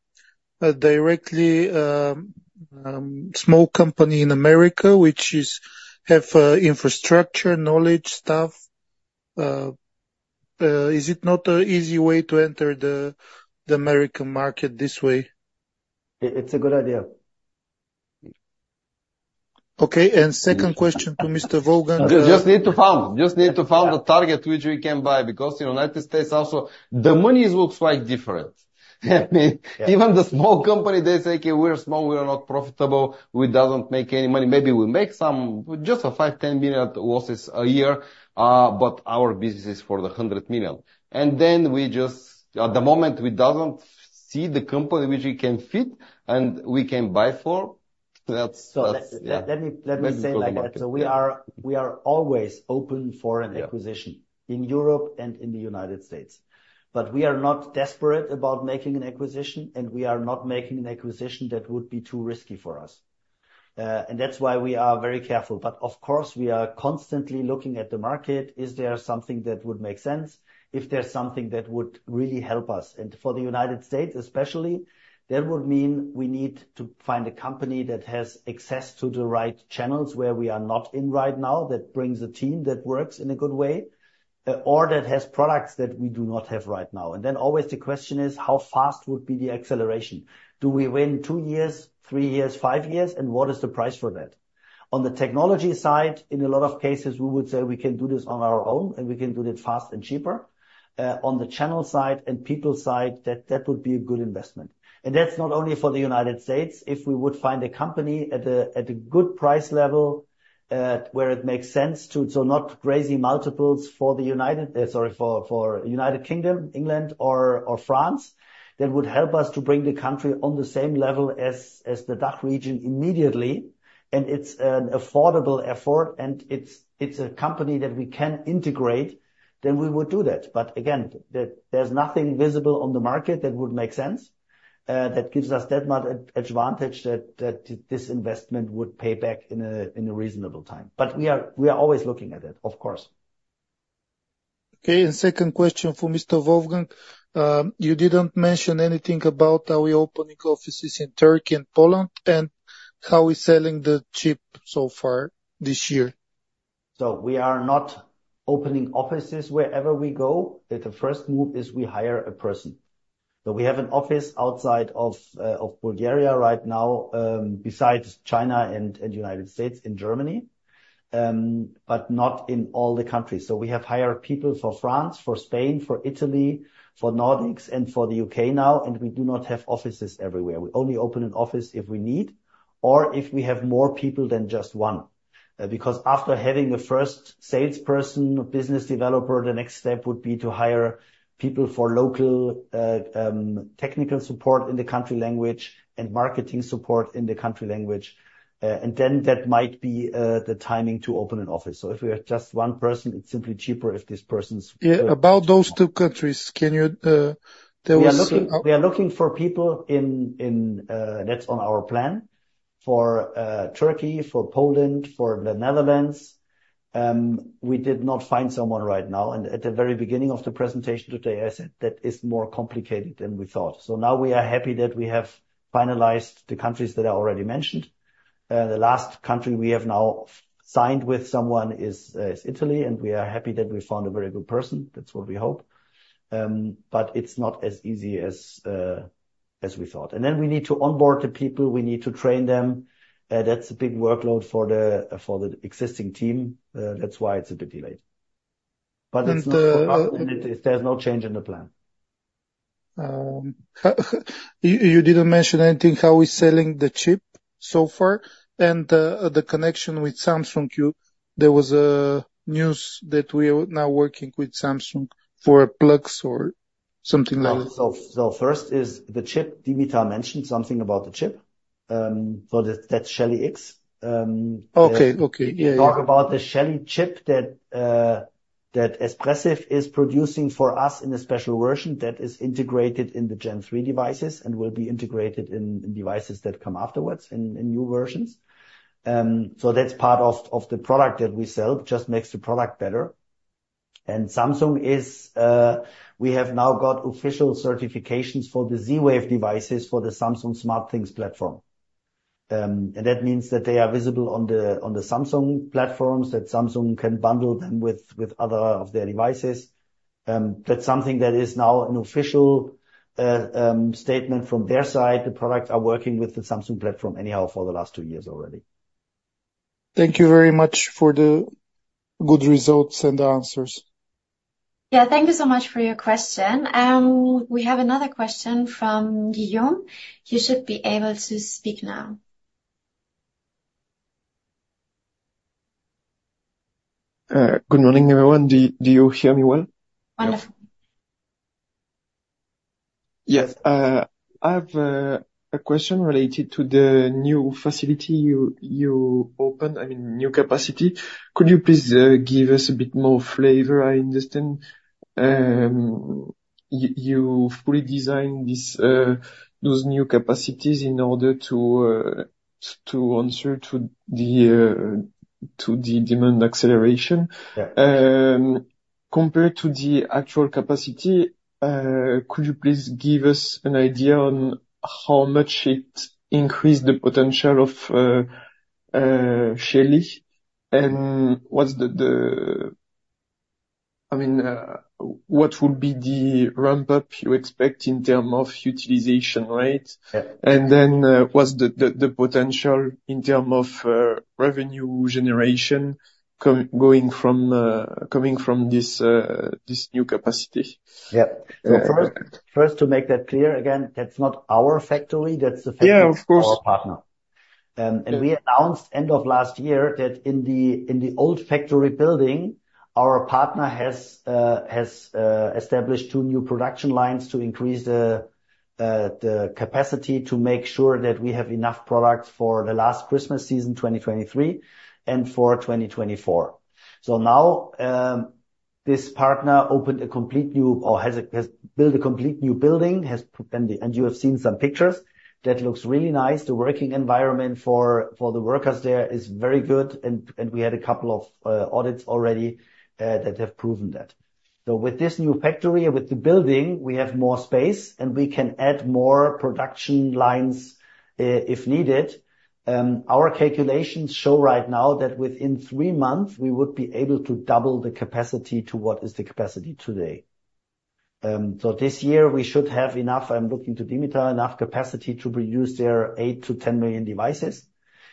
directly small company in America, which is have infrastructure, knowledge, stuff? Is it not an easy way to enter the American market this way? It's a good idea. Okay, and second question to Mr. Wolfgang- Just need to find, just need to find the target which we can buy, because in United States also, the money looks like different. I mean- Yeah. -even the small company, they say, "Okay, we're small, we are not profitable. We doesn't make any money. Maybe we make some, just 5-10 million losses a year, but our business is for the 100 million." And then we just... At the moment, we doesn't see the company which we can fit and we can buy for. That's, that's, yeah. So, let me, let me say like that. Maybe small market. We are always open for an- Yeah acquisition in Europe and in the United States, but we are not desperate about making an acquisition, and we are not making an acquisition that would be too risky for us... And that's why we are very careful. But of course, we are constantly looking at the market. Is there something that would make sense? If there's something that would really help us, and for the United States especially, that would mean we need to find a company that has access to the right channels where we are not in right now, that brings a team that works in a good way, or that has products that we do not have right now. And then always the question is: how fast would be the acceleration? Do we win two years, three years, five years? And what is the price for that? On the technology side, in a lot of cases, we would say we can do this on our own, and we can do it fast and cheaper. On the channel side and people side, that would be a good investment. That's not only for the United States. If we would find a company at a good price level, where it makes sense to—so not crazy multiples for the United Kingdom, England or France, that would help us to bring the country on the same level as the DACH region immediately, and it's an affordable effort, and it's a company that we can integrate, then we would do that. But again, there's nothing visible on the market that would make sense, that gives us that much advantage that, that this investment would pay back in a, in a reasonable time. But we are, we are always looking at it, of course. Okay, and second question for Mr. Wolfgang. You didn't mention anything about are we opening offices in Turkey and Poland, and how is selling the chip so far this year? So we are not opening offices wherever we go. The first move is we hire a person. So we have an office outside of Bulgaria right now, besides China and United States, in Germany, but not in all the countries. So we have hired people for France, for Spain, for Italy, for Nordics, and for the UK now, and we do not have offices everywhere. We only open an office if we need or if we have more people than just one. Because after having a first salesperson or business developer, the next step would be to hire people for local technical support in the country language and marketing support in the country language. And then that might be the timing to open an office. So if we have just one person, it's simply cheaper if this person's- Yeah, about those two countries, can you, there was- We are looking for people in. That's on our plan for Turkey, for Poland, for the Netherlands. We did not find someone right now, and at the very beginning of the presentation today, I said that is more complicated than we thought. So now we are happy that we have finalized the countries that I already mentioned. The last country we have now signed with someone is Italy, and we are happy that we found a very good person. That's what we hope. But it's not as easy as we thought. And then we need to onboard the people, we need to train them. That's a big workload for the existing team. That's why it's a bit delayed. And the— But there's no change in the plan. You didn't mention anything, how is selling the chip so far? And the connection with Samsung, there was a news that we are now working with Samsung for plugs or something like that. So first is the chip. Dimitar mentioned something about the chip. So that, that's Shelly X. Okay. Okay, yeah, yeah. We talk about the Shelly chip that that Espressif is producing for us in a special version that is integrated in the Gen 3 devices and will be integrated in devices that come afterwards in new versions. So that's part of the product that we sell. Just makes the product better. And Samsung is we have now got official certifications for the Z-Wave devices for the Samsung SmartThings platform. And that means that they are visible on the Samsung platforms, that Samsung can bundle them with other of their devices. That's something that is now an official statement from their side. The products are working with the Samsung platform anyhow for the last two years already. Thank you very much for the good results and the answers. Yeah, thank you so much for your question. We have another question from Guillaume. You should be able to speak now. Good morning, everyone. Do you hear me well? Wonderful. Yes. I have a question related to the new facility you opened, I mean, new capacity. Could you please give us a bit more flavor? I understand, you fully designed this, those new capacities in order to the demand acceleration. Yeah. Compared to the actual capacity, could you please give us an idea on how much it increased the potential of Shelly, and what's the, I mean, what would be the ramp-up you expect in term of utilization rate? Yeah. Then, what's the potential in terms of revenue generation coming from this new capacity? Yeah. Uh- First, to make that clear, again, that's not our factory, that's the factory- Yeah, of course.... of our partner. And we announced end of last year that in the old factory building, our partner has established 2 new production lines to increase the capacity to make sure that we have enough products for the last Christmas season, 2023, and for 2024. So now, this partner opened a complete new or has built a complete new building, and you have seen some pictures. That looks really nice. The working environment for the workers there is very good, and we had a couple of audits already that have proven that. So with this new factory, with the building, we have more space, and we can add more production lines if needed. Our calculations show right now that within three months, we would be able to double the capacity to what is the capacity today. So this year, we should have enough, I'm looking to Dimitar, enough capacity to produce their 8-10 million devices.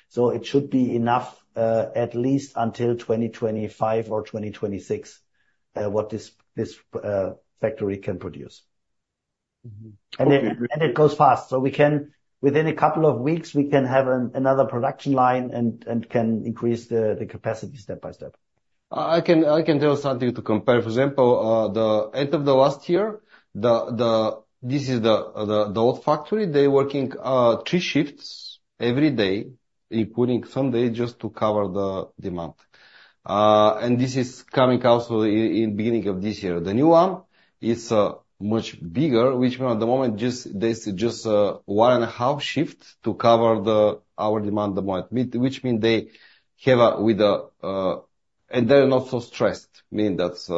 So it should be enough, at least until 2025 or 2026, what this factory can produce. Mm-hmm. It goes fast. So we can, within a couple of weeks, have another production line and can increase the capacity step by step. I can tell you something to compare. For example, the end of the last year, this is the old factory, they working 3 shifts every day, including Sunday, just to cover the demand. And this is coming also in beginning of this year. The new one is much bigger, which mean at the moment, just there's just 1.5 shift to cover the our demand, the market, which mean they have a, with a... And they're not so stressed. Mean, that's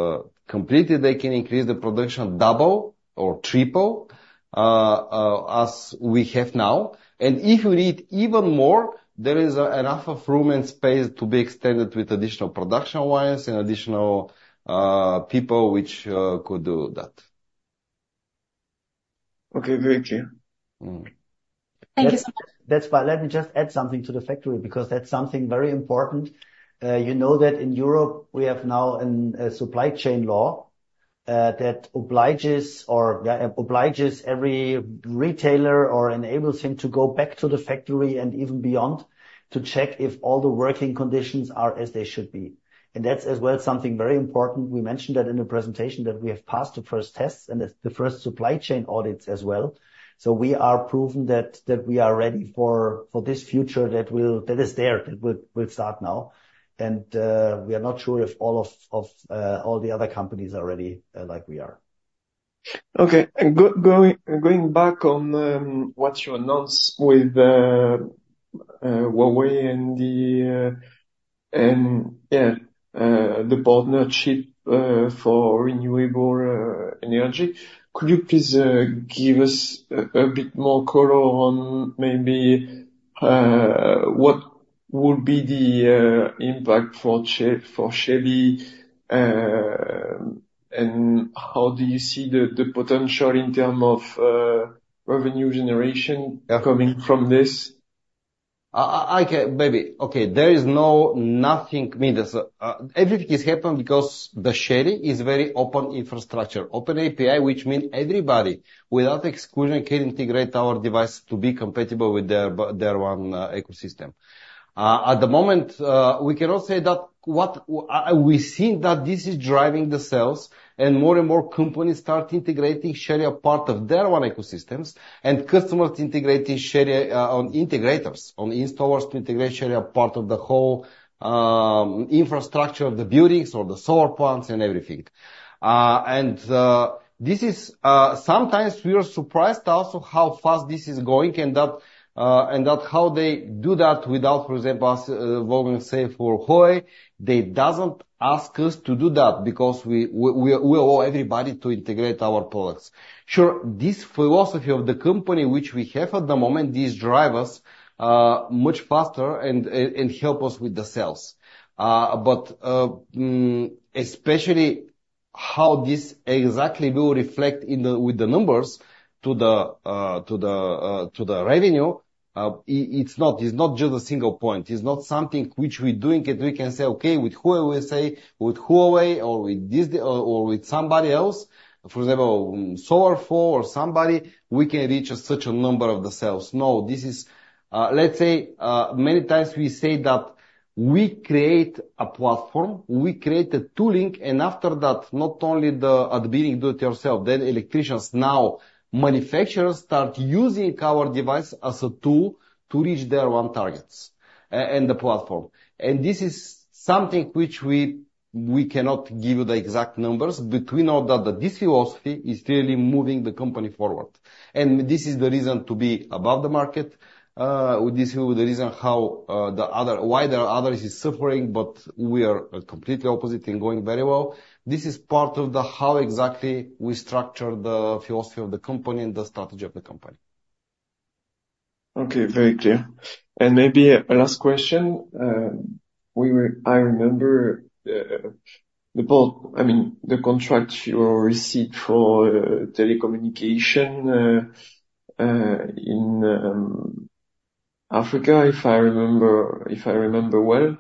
completely they can increase the production double or triple as we have now, and if we need even more, there is enough of room and space to be extended with additional production lines and additional people which could do that. Okay, very clear. Mm. Thank you so much. That's why. Let me just add something to the factory, because that's something very important. You know that in Europe, we have now a supply chain law that obliges every retailer or enables him to go back to the factory and even beyond, to check if all the working conditions are as they should be. And that's as well something very important. We mentioned that in the presentation, that we have passed the first tests and the first supply chain audits as well. So we are proven that we are ready for this future that will... That is there, that will start now. And we are not sure if all of all the other companies are ready like we are. Okay. And going back on what you announced with the Huawei and the partnership for renewable energy. Could you please give us a bit more color on maybe what would be the impact for Shelly and how do you see the potential in term of revenue generation coming from this? Everything is happen because the Shelly is very open infrastructure, open API, which mean everybody, without exclusion, can integrate our device to be compatible with their, their own ecosystem. At the moment, we cannot say that what we think that this is driving the sales, and more and more companies start integrating Shelly a part of their own ecosystems, and customers integrating Shelly on integrators, on installers to integrate Shelly a part of the whole infrastructure of the buildings or the solar plants and everything. And this is sometimes we are surprised also how fast this is going and that, and that how they do that without, for example, us involving, say, for Huawei, they doesn't ask us to do that, because we allow everybody to integrate our products. Sure, this philosophy of the company, which we have at the moment, this drive us much faster and help us with the sales. But especially how this exactly will reflect in the with the numbers to the revenue, it's not just a single point. It's not something which we're doing, and we can say, "Okay, with Huawei, we say, with Huawei or with this, or with somebody else, for example, SolaXor somebody, we can reach such a number of the sales." No, this is... Let's say, many times we say that we create a platform, we create a tooling, and after that, not only the, at the beginning, do it yourself, then electricians. Now, manufacturers start using our device as a tool to reach their own targets, and the platform. And this is something which we, we cannot give you the exact numbers, but we know that this philosophy is really moving the company forward. And this is the reason to be above the market. This is the reason how, why the others is suffering, but we are completely opposite and going very well. This is part of the how exactly we structure the philosophy of the company and the strategy of the company. Okay, very clear. And maybe a last question. I remember, the port, I mean, the contract you received for, telecommunication, in, Africa, if I remember, if I remember well.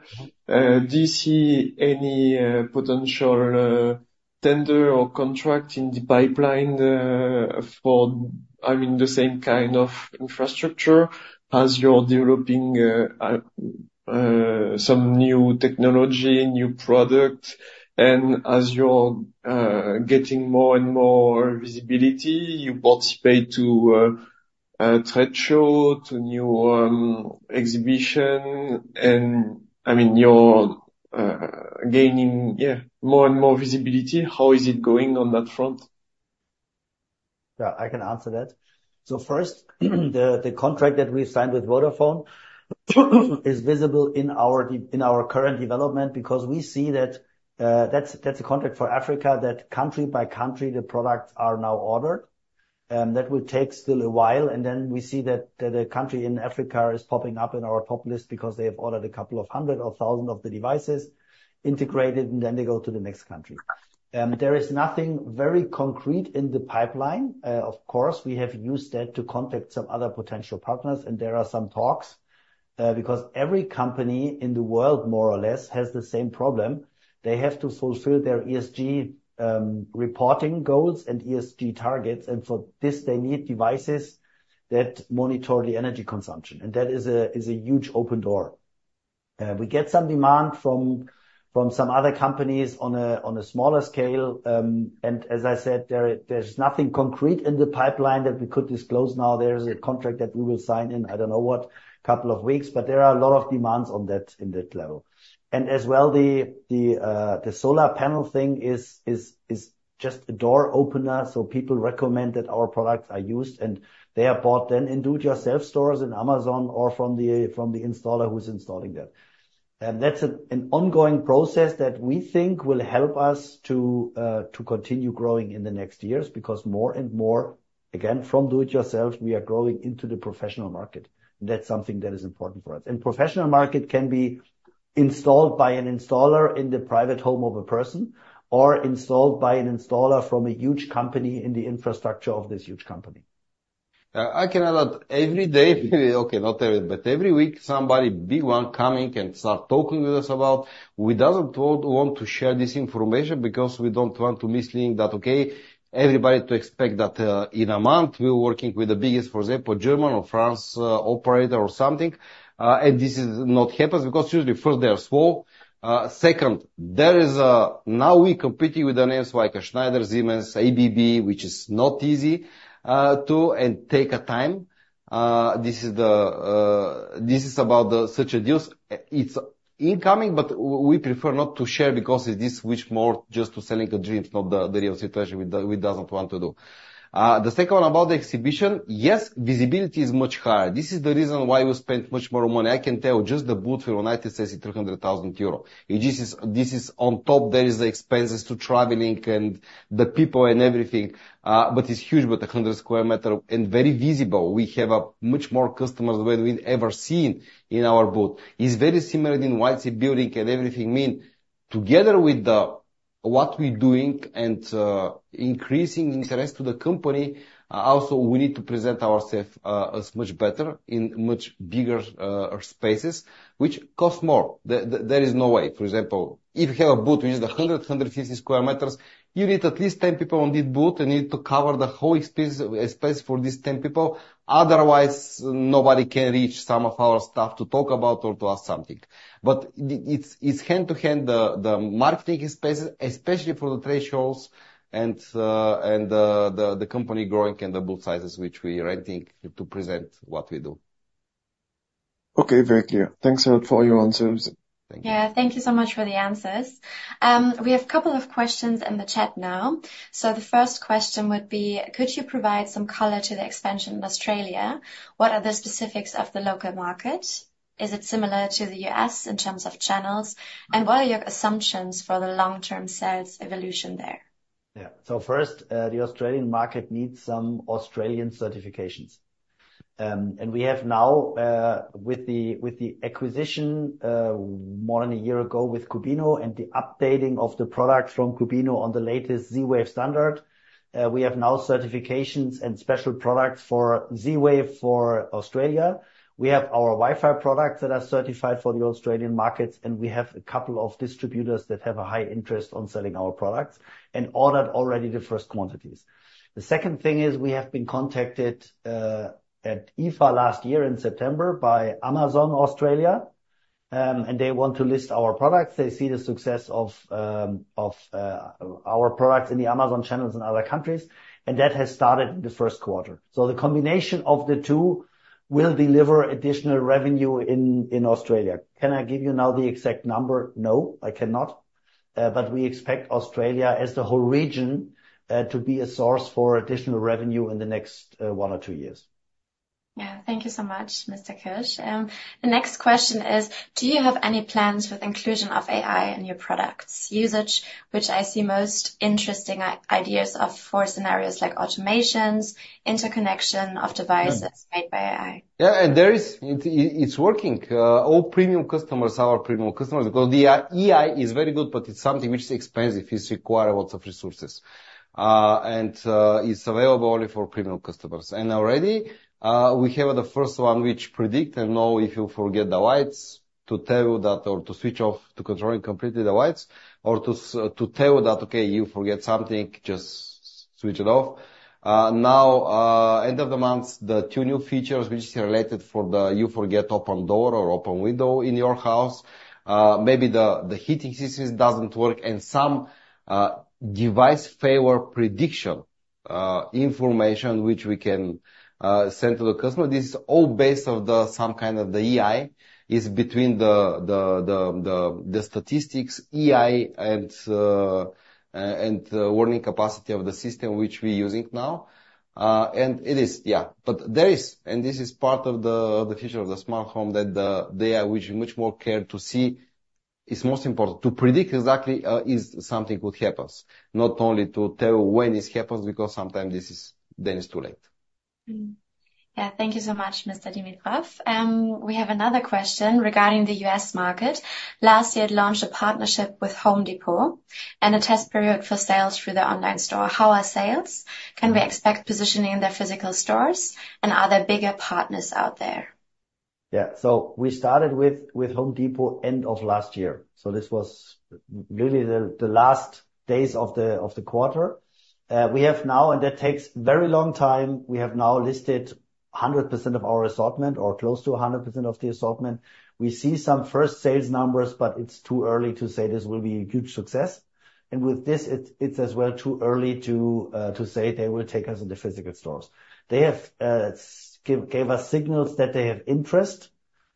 Do you see any, potential, tender or contract in the pipeline, for, I mean, the same kind of infrastructure as you're developing, some new technology, new product, and as you're, getting more and more visibility, you participate to, ... trade show to new exhibition, and I mean, you're gaining more and more visibility. How is it going on that front? Yeah, I can answer that. So first, the contract that we signed with Vodafone is visible in our current development because we see that, that's a contract for Africa, country by country, the products are now ordered. That will take still a while, and then we see that the country in Africa is popping up in our pop list because they have ordered a couple of hundred or thousand of the devices integrated, and then they go to the next country. There is nothing very concrete in the pipeline. Of course, we have used that to contact some other potential partners, and there are some talks, because every company in the world, more or less, has the same problem. They have to fulfill their ESG reporting goals and ESG targets, and for this, they need devices that monitor the energy consumption. That is a huge open door. We get some demand from some other companies on a smaller scale, and as I said, there's nothing concrete in the pipeline that we could disclose now. There is a contract that we will sign in a couple of weeks, but there are a lot of demands on that in that level. As well, the solar panel thing is just a door opener, so people recommend that our products are used, and they are bought then in do-it-yourself stores, in Amazon, or from the installer who's installing that. That's an ongoing process that we think will help us to continue growing in the next years, because more and more, again, from do it yourself, we are growing into the professional market. That's something that is important for us. Professional market can be installed by an installer in the private home of a person or installed by an installer from a huge company in the infrastructure of this huge company. I can add that every day, okay, not every, but every week, somebody, big one, coming and start talking with us about. We doesn't want to share this information because we don't want to misleading that, okay, everybody to expect that, in a month, we're working with the biggest, for example, German or France operator or something. And this is not happens because usually, first, they are slow. Second, there is a... Now we're competing with the names like Schneider, Siemens, ABB, which is not easy to and take a time. This is the, this is about the such a deals. It's incoming, but we prefer not to share because it is which more just to selling the dreams, not the real situation we doesn't want to do. The second one about the exhibition, yes, visibility is much higher. This is the reason why we spent much more money. I can tell just the booth in Las Vegas is 300,000 euro. This is on top, there is the expenses to traveling and the people and everything, but it's huge, but 100 square meters and very visible. We have much more customers than we've ever seen in our booth. It's very similar in Light + Building, and everything means together with the, what we're doing and, increasing interest to the company, also, we need to present ourself as much better in much bigger spaces, which cost more. There, there is no way. For example, if you have a booth, which is 100-150 square meters, you need at least 10 people on this booth, and you need to cover the whole expensive space for these 10 people. Otherwise, nobody can reach some of our staff to talk about or to ask something. But it's hand-to-hand, the marketing space, especially for the trade shows and the company growing and the booth sizes, which we are renting to present what we do. Okay, very clear. Thanks a lot for all your answers. Thank you. Yeah, thank you so much for the answers. We have a couple of questions in the chat now. So the first question would be: Could you provide some color to the expansion in Australia? What are the specifics of the local market? Is it similar to the U.S. in terms of channels? And what are your assumptions for the long-term sales evolution there? Yeah. So first, the Australian market needs some Australian certifications. And we have now, with the acquisition, more than a year ago with Qubino and the updating of the product from Qubino on the latest Z-Wave standard, we have now certifications and special products for Z-Wave for Australia. We have our Wi-Fi products that are certified for the Australian markets, and we have a couple of distributors that have a high interest on selling our products and ordered already the first quantities. The second thing is we have been contacted, at IFA last year in September by Amazon Australia, and they want to list our products. They see the success of our products in the Amazon channels in other countries, and that has started in the Q1. The combination of the two will deliver additional revenue in Australia. Can I give you now the exact number? No, I cannot. But we expect Australia, as the whole region, to be a source for additional revenue in the next one or two years. Yeah. Thank you so much, Mr. Kirsch. The next question is: Do you have any plans with inclusion of AI in your products? Usage, which I see most interesting ideas of, for scenarios like automations, interconnection of devices- Yeah... made by AI. Yeah, and there is it. It's working. All premium customers are our premium customers because the AI is very good, but it's something which is expensive, it require a lot of resources. It's available only for premium customers. And already, we have the first one which predict and know if you forget the lights, to tell you that or to switch off, to controlling completely the lights, or to tell that, okay, you forget something, just switch it off. Now, end of the month, the two new features, which is related for the you forget open door or open window in your house, maybe the heating systems doesn't work, and some device failure prediction information which we can send to the customer. This is all based on some kind of AI, is between the statistics, AI, and warning capacity of the system which we're using now. And it is, yeah. But there is, and this is part of the future of the smart home, that they are much, much more care to see. It's most important to predict exactly if something would happens, not only to tell when this happens, because sometimes this is then it's too late. Mm. Yeah, thank you so much, Mr. Dimitrov. We have another question regarding the U.S. market. Last year, it launched a partnership with Home Depot and a test period for sales through their online store. How are sales? Can we expect positioning in their physical stores, and are there bigger partners out there? Yeah. So we started with Home Depot end of last year, so this was really the last days of the quarter. We have now, and that takes very long time, we have now listed 100% of our assortment or close to 100% of the assortment. We see some first sales numbers, but it's too early to say this will be a huge success. And with this, it's as well too early to say they will take us in the physical stores. They gave us signals that they have interest,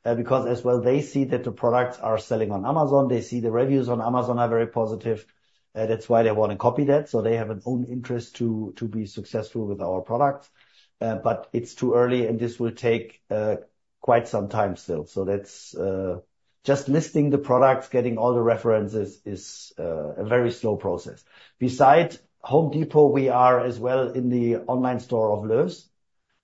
because as well, they see that the products are selling on Amazon. They see the reviews on Amazon are very positive, that's why they wanna copy that. So they have an own interest to be successful with our products. But it's too early, and this will take quite some time still. So that's just listing the products, getting all the references is a very slow process. Besides Home Depot, we are as well in the online store of Lowe's,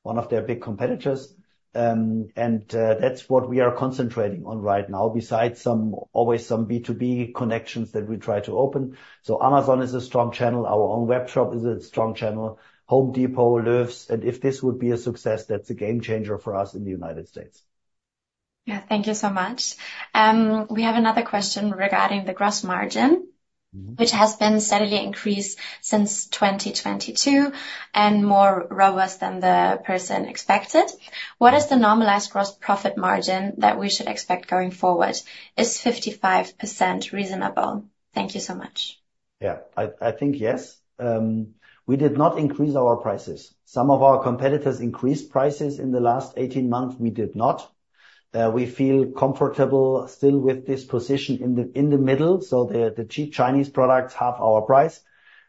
one of their big competitors, and that's what we are concentrating on right now, besides always some B2B connections that we try to open. So Amazon is a strong channel. Our own web shop is a strong channel. Home Depot, Lowe's, and if this would be a success, that's a game changer for us in the United States. Yeah, thank you so much. We have another question regarding the gross margin- Mm-hmm. -which has been steadily increased since 2022, and more robust than the person expected. What is the normalized gross profit margin that we should expect going forward? Is 55% reasonable? Thank you so much. Yeah. I think, yes. We did not increase our prices. Some of our competitors increased prices in the last 18 months, we did not. We feel comfortable still with this position in the middle. So the cheap Chinese products, half our price.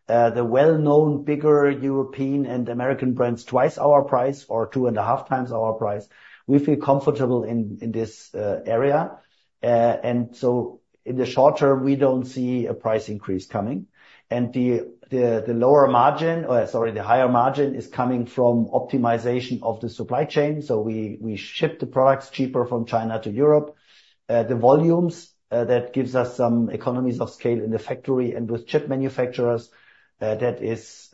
The well-known, bigger European and American brands, twice our price or two and a half times our price. We feel comfortable in this area, and so in the short term, we don't see a price increase coming. And the lower margin, or sorry, the higher margin is coming from optimization of the supply chain. So we ship the products cheaper from China to Europe. The volumes, that gives us some economies of scale in the factory and with chip manufacturers, that is,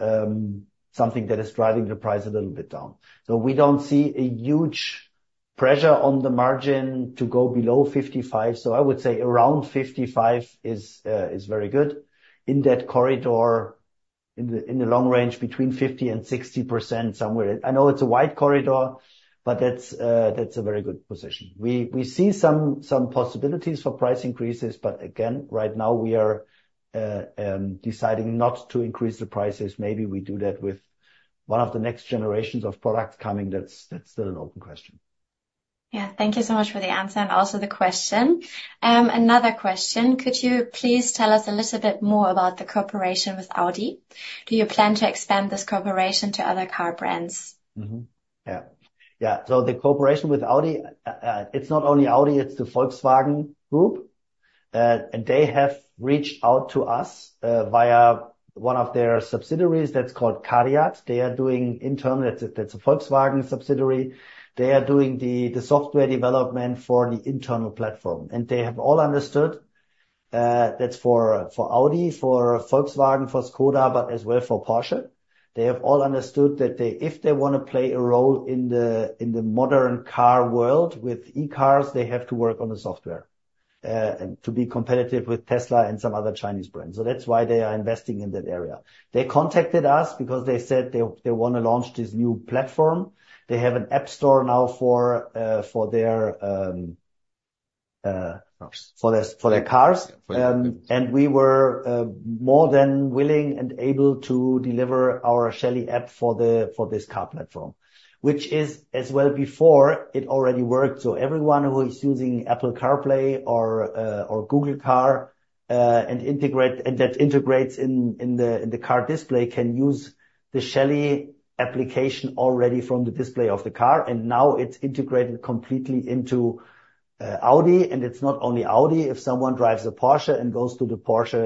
something that is driving the price a little bit down. So we don't see a huge pressure on the margin to go below 55. So I would say around 55 is very good. In that corridor, in the long range, between 50% and 60% somewhere. I know it's a wide corridor, but that's a very good position. We see some possibilities for price increases, but again, right now we are deciding not to increase the prices. Maybe we do that with one of the next generations of products coming. That's still an open question. Yeah. Thank you so much for the answer and also the question. Another question: Could you please tell us a little bit more about the cooperation with Audi? Do you plan to expand this cooperation to other car brands? Mm-hmm. Yeah. Yeah, so the cooperation with Audi, it's not only Audi, it's the Volkswagen Group. And they have reached out to us via one of their subsidiaries that's called CARIAD. They are doing internal- that's a, that's a Volkswagen subsidiary. They are doing the, the software development for the internal platform, and they have all understood, that's for, for Audi, for Volkswagen, for Skoda, but as well for Porsche. They have all understood that they- if they wanna play a role in the, in the modern car world with e-cars, they have to work on the software, and to be competitive with Tesla and some other Chinese brands. So that's why they are investing in that area. They contacted us because they said they, they wanna launch this new platform. They have an app store now for, for their, Cars... for their cars. For their cars. And we were more than willing and able to deliver our Shelly app for this car platform, which is as well before, it already worked. So everyone who is using Apple CarPlay or Google Car and that integrates in the car display can use the Shelly application already from the display of the car, and now it's integrated completely into Audi. And it's not only Audi. If someone drives a Porsche and goes to the Porsche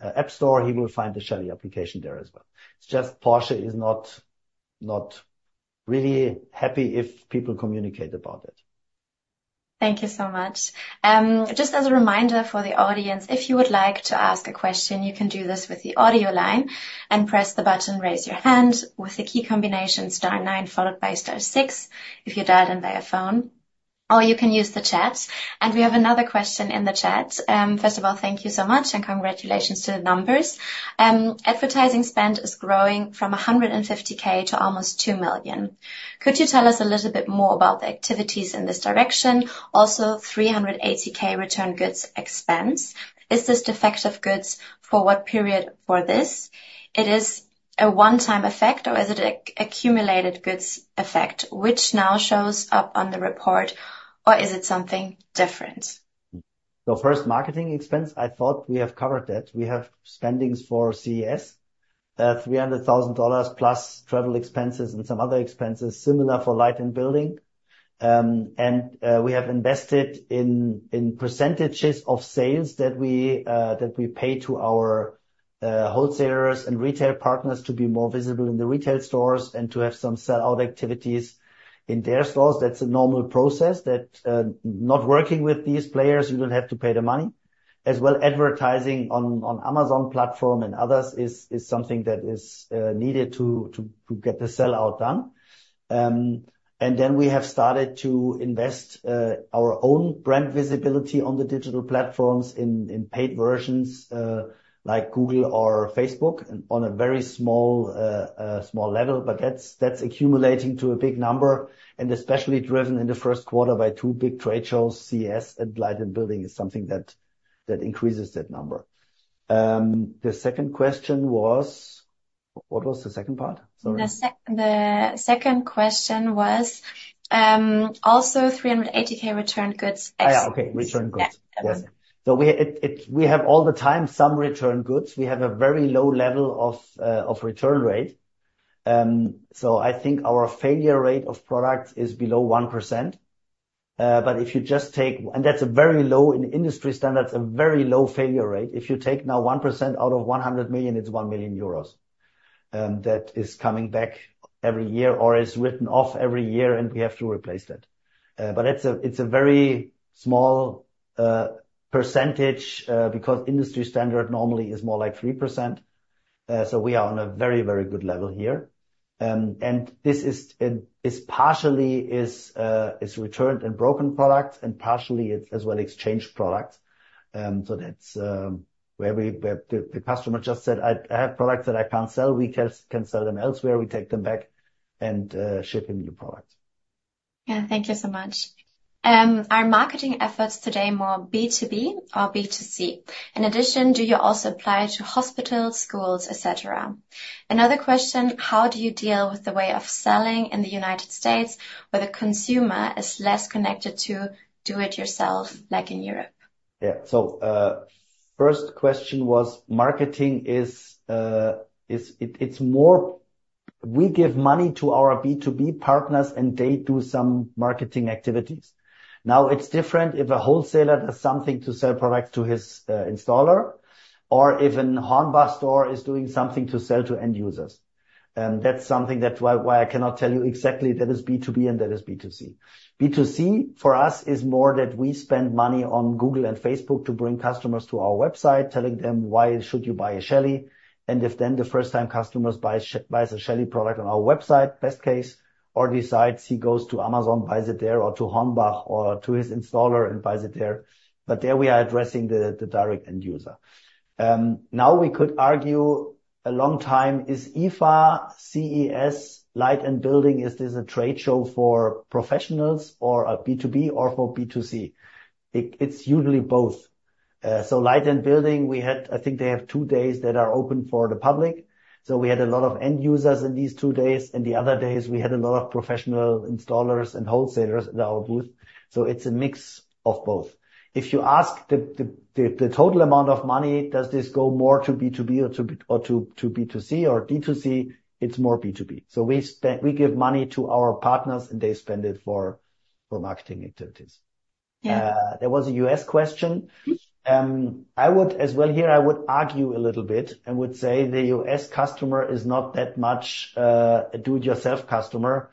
app store, he will find the Shelly application there as well. It's just Porsche is not really happy if people communicate about it. Thank you so much. Just as a reminder for the audience, if you would like to ask a question, you can do this with the audio line and press the button, raise your hand, with the key combination star nine, followed by star six, if you're dialed in via phone, or you can use the chat. And we have another question in the chat. First of all, thank you so much and congratulations to the numbers. Advertising spend is growing from 150,000 to almost 2 million. Could you tell us a little bit more about the activities in this direction? Also, 380,000 return goods expense. Is this defective goods? For what period for this? a one-time effect, or is it a accumulated goods effect, which now shows up on the report, or is it something different? So first, marketing expense, I thought we have covered that. We have spendings for CES, $300,000 plus travel expenses and some other expenses, similar for Light + Building. And we have invested in percentages of sales that we pay to our wholesalers and retail partners to be more visible in the retail stores and to have some sell-out activities in their stores. That's a normal process that... Not working with these players, you will have to pay the money. As well, advertising on Amazon platform and others is something that is needed to get the sell-out done. And then we have started to invest our own brand visibility on the digital platforms in paid versions, like Google or Facebook, on a very small level, but that's accumulating to a big number, and especially driven in the Q1 by two big trade shows, CES and Light + Building, is something that increases that number. The second question was? What was the second part? Sorry. The second question was, also 380,000 returned goods X- Ah, yeah, okay. Returned goods. Yeah. Yes. So we have all the time some returned goods. We have a very low level of return rate. So I think our failure rate of products is below 1%. But if you just take. And that's a very low, in industry standards, a very low failure rate. If you take now 1% out of 100 million, it's 1 million euros that is coming back every year or is written off every year, and we have to replace that. But it's a very small percentage because industry standard normally is more like 3%. So we are on a very, very good level here. And this is partially returned and broken products, and partially it's as well exchanged products. So that's where the customer just said, "I have products that I can't sell," we can sell them elsewhere. We take them back and ship him new products. Yeah. Thank you so much. Are marketing efforts today more B2B or B2C? In addition, do you also apply to hospitals, schools, et cetera? Another question: How do you deal with the way of selling in the United States, where the consumer is less connected to do it yourself like in Europe? Yeah. So, first question was, marketing is, is... It, it's more we give money to our B2B partners, and they do some marketing activities. Now, it's different if a wholesaler does something to sell products to his, installer or if a HORNBACH store is doing something to sell to end users. And that's something that's why I cannot tell you exactly. That is B2B, and that is B2C. B2C, for us, is more that we spend money on Google and Facebook to bring customers to our website, telling them, "Why should you buy a Shelly?" And if then the first-time customers buys buys a Shelly product on our website, best case, or decides he goes to Amazon, buys it there, or to HORNBACH or to his installer and buys it there, but there we are addressing the direct end user. Now, we could argue a long time, is IFA, CES, Light + Building, is this a trade show for professionals or a B2B or for B2C? It's usually both. So Light + Building, we had, I think they have two days that are open for the public, so we had a lot of end users in these two days. In the other days, we had a lot of professional installers and wholesalers in our booth, so it's a mix of both. If you ask the total amount of money, does this go more to B2B or to B2C or D2C? It's more B2B. So we give money to our partners, and they spend it for marketing activities. Yeah. There was a U.S. question. Mm-hmm. I would, as well, here, I would argue a little bit and would say the U.S. customer is not that much, a do-it-yourself customer.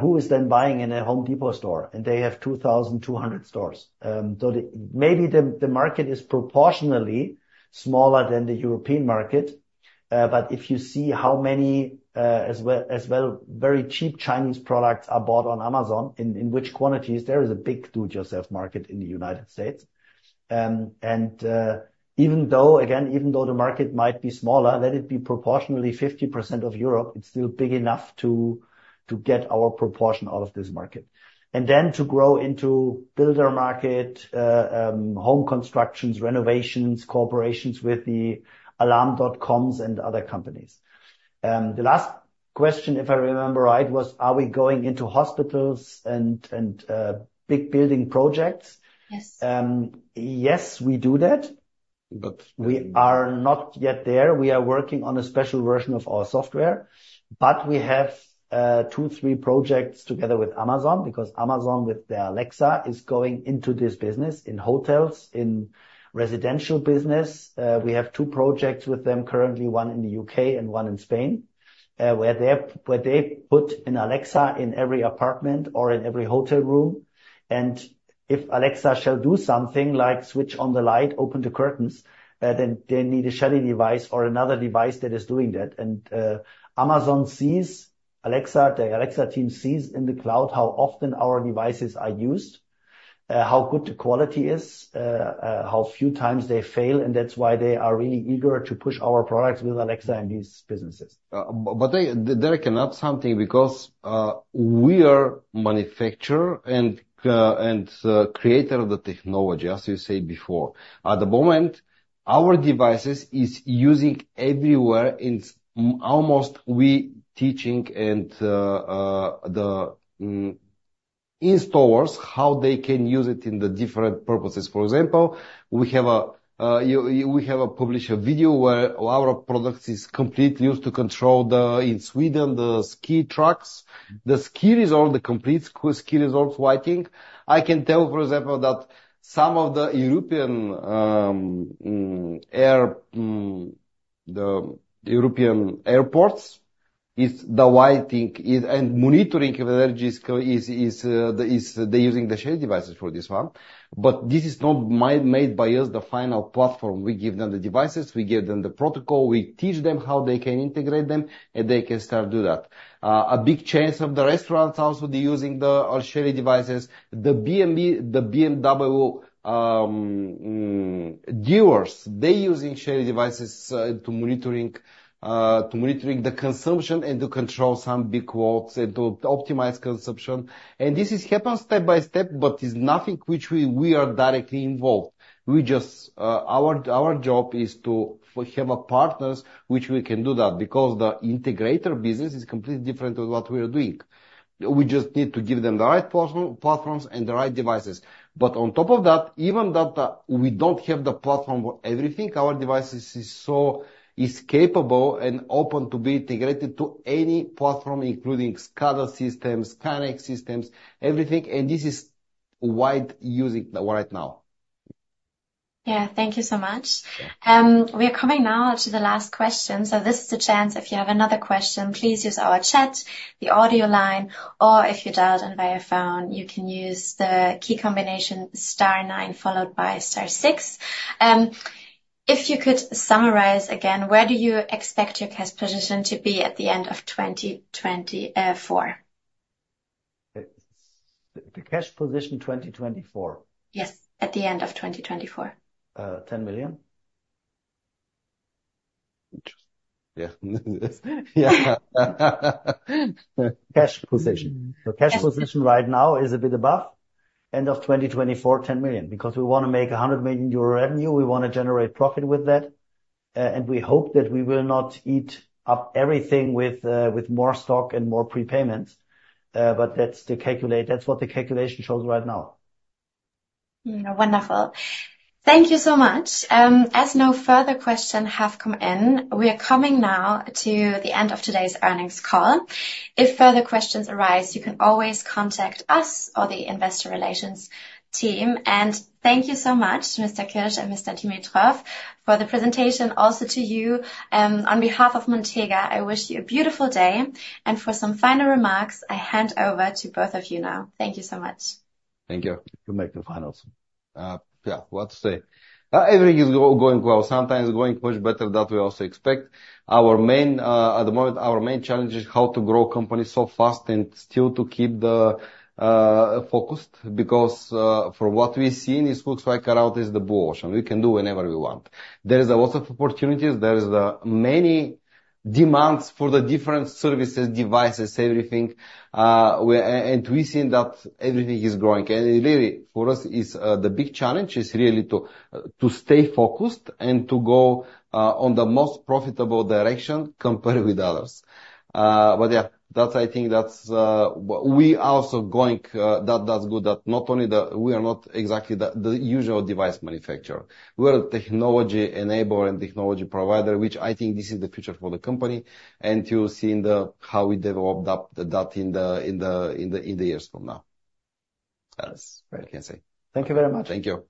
Who is then buying in a Home Depot store? And they have 2,200 stores. So the market is proportionally smaller than the European market, but if you see how many, as well, very cheap Chinese products are bought on Amazon, in which quantities, there is a big do-it-yourself market in the United States. And, even though, again, even though the market might be smaller, let it be proportionally 50% of Europe, it's still big enough to get our proportion out of this market. And then to grow into builder market, home constructions, renovations, corporations with the Alarm.coms and other companies. The last question, if I remember right, was, are we going into hospitals and big building projects? Yes. Yes, we do that, but we are not yet there. We are working on a special version of our software, but we have two, three projects together with Amazon, because Amazon, with their Alexa, is going into this business in hotels, in residential business. We have two projects with them currently, one in the UK and one in Spain, where they put an Alexa in every apartment or in every hotel room. And if Alexa shall do something, like switch on the light, open the curtains, then they need a Shelly device or another device that is doing that. Amazon sees Alexa, the Alexa team sees in the cloud how often our devices are used, how good the quality is, how few times they fail, and that's why they are really eager to push our products with Alexa in these businesses. But there I can add something because we are manufacturer and creator of the technology, as you said before. At the moment, our devices is using everywhere. It's almost we teaching in stores, how they can use it in the different purposes. For example, we have a publisher video where our products is completely used to control the, in Sweden, the ski tracks, the ski resort, the complete ski resorts lighting. I can tell, for example, that some of the European airports, is the lighting is and monitoring of energy is, is they're using the Shelly devices for this one. But this is not made by us, the final platform. We give them the devices, we give them the protocol, we teach them how they can integrate them, and they can start do that. A big chains of the restaurants also they're using the our Shelly devices. The BNB- the BMW dealers, they're using Shelly devices to monitoring to monitoring the consumption and to control some big loads and to optimize consumption. And this is happen step by step, but is nothing which we are directly involved. We just Our job is to have partners which we can do that, because the integrator business is completely different to what we are doing. We just need to give them the right platforms and the right devices. But on top of that, even that, we don't have the platform for everything, our devices is so capable and open to be integrated to any platform, including SCADA systems, KNX systems, everything, and this is widely used right now. Yeah, thank you so much. Yeah. We are coming now to the last question, so this is the chance. If you have another question, please use our chat, the audio line, or if you dialed in via phone, you can use the key combination star nine, followed by star six. If you could summarize again, where do you expect your cash position to be at the end of 2024? The cash position, 2024? Yes, at the end of 2024. 10 million. Yeah. Cash position. Yes. The cash position right now is a bit above. End of 2024, 10 million, because we want to make 100 million euro revenue, we want to generate profit with that, and we hope that we will not eat up everything with more stock and more prepayments. But that's what the calculation shows right now. Wonderful. Thank you so much. As no further question have come in, we are coming now to the end of today's earnings call. If further questions arise, you can always contact us or the investor relations team. Thank you so much, Mr. Kirsch and Mr. Dimitrov, for the presentation, also to you. On behalf of Montega, I wish you a beautiful day, and for some final remarks, I hand over to both of you now. Thank you so much. Thank you. You make the finals. Yeah, what to say? Everything is going well, sometimes going much better than we also expect. Our main, at the moment, our main challenge is how to grow company so fast and still to keep the focused, because from what we've seen, it looks like out is the blue ocean. We can do whatever we want. There is a lot of opportunities. There is many demands for the different services, devices, everything, and we've seen that everything is growing. And really, for us, the big challenge is really to stay focused and to go on the most profitable direction compared with others. But, yeah, that's, I think, that's we are also going, that that's good, that not only we are not exactly the usual device manufacturer. We are a technology enabler and technology provider, which I think this is the future for the company, and you'll see how we developed that in the years from now. That's right. I can say. Thank you very much. Thank you.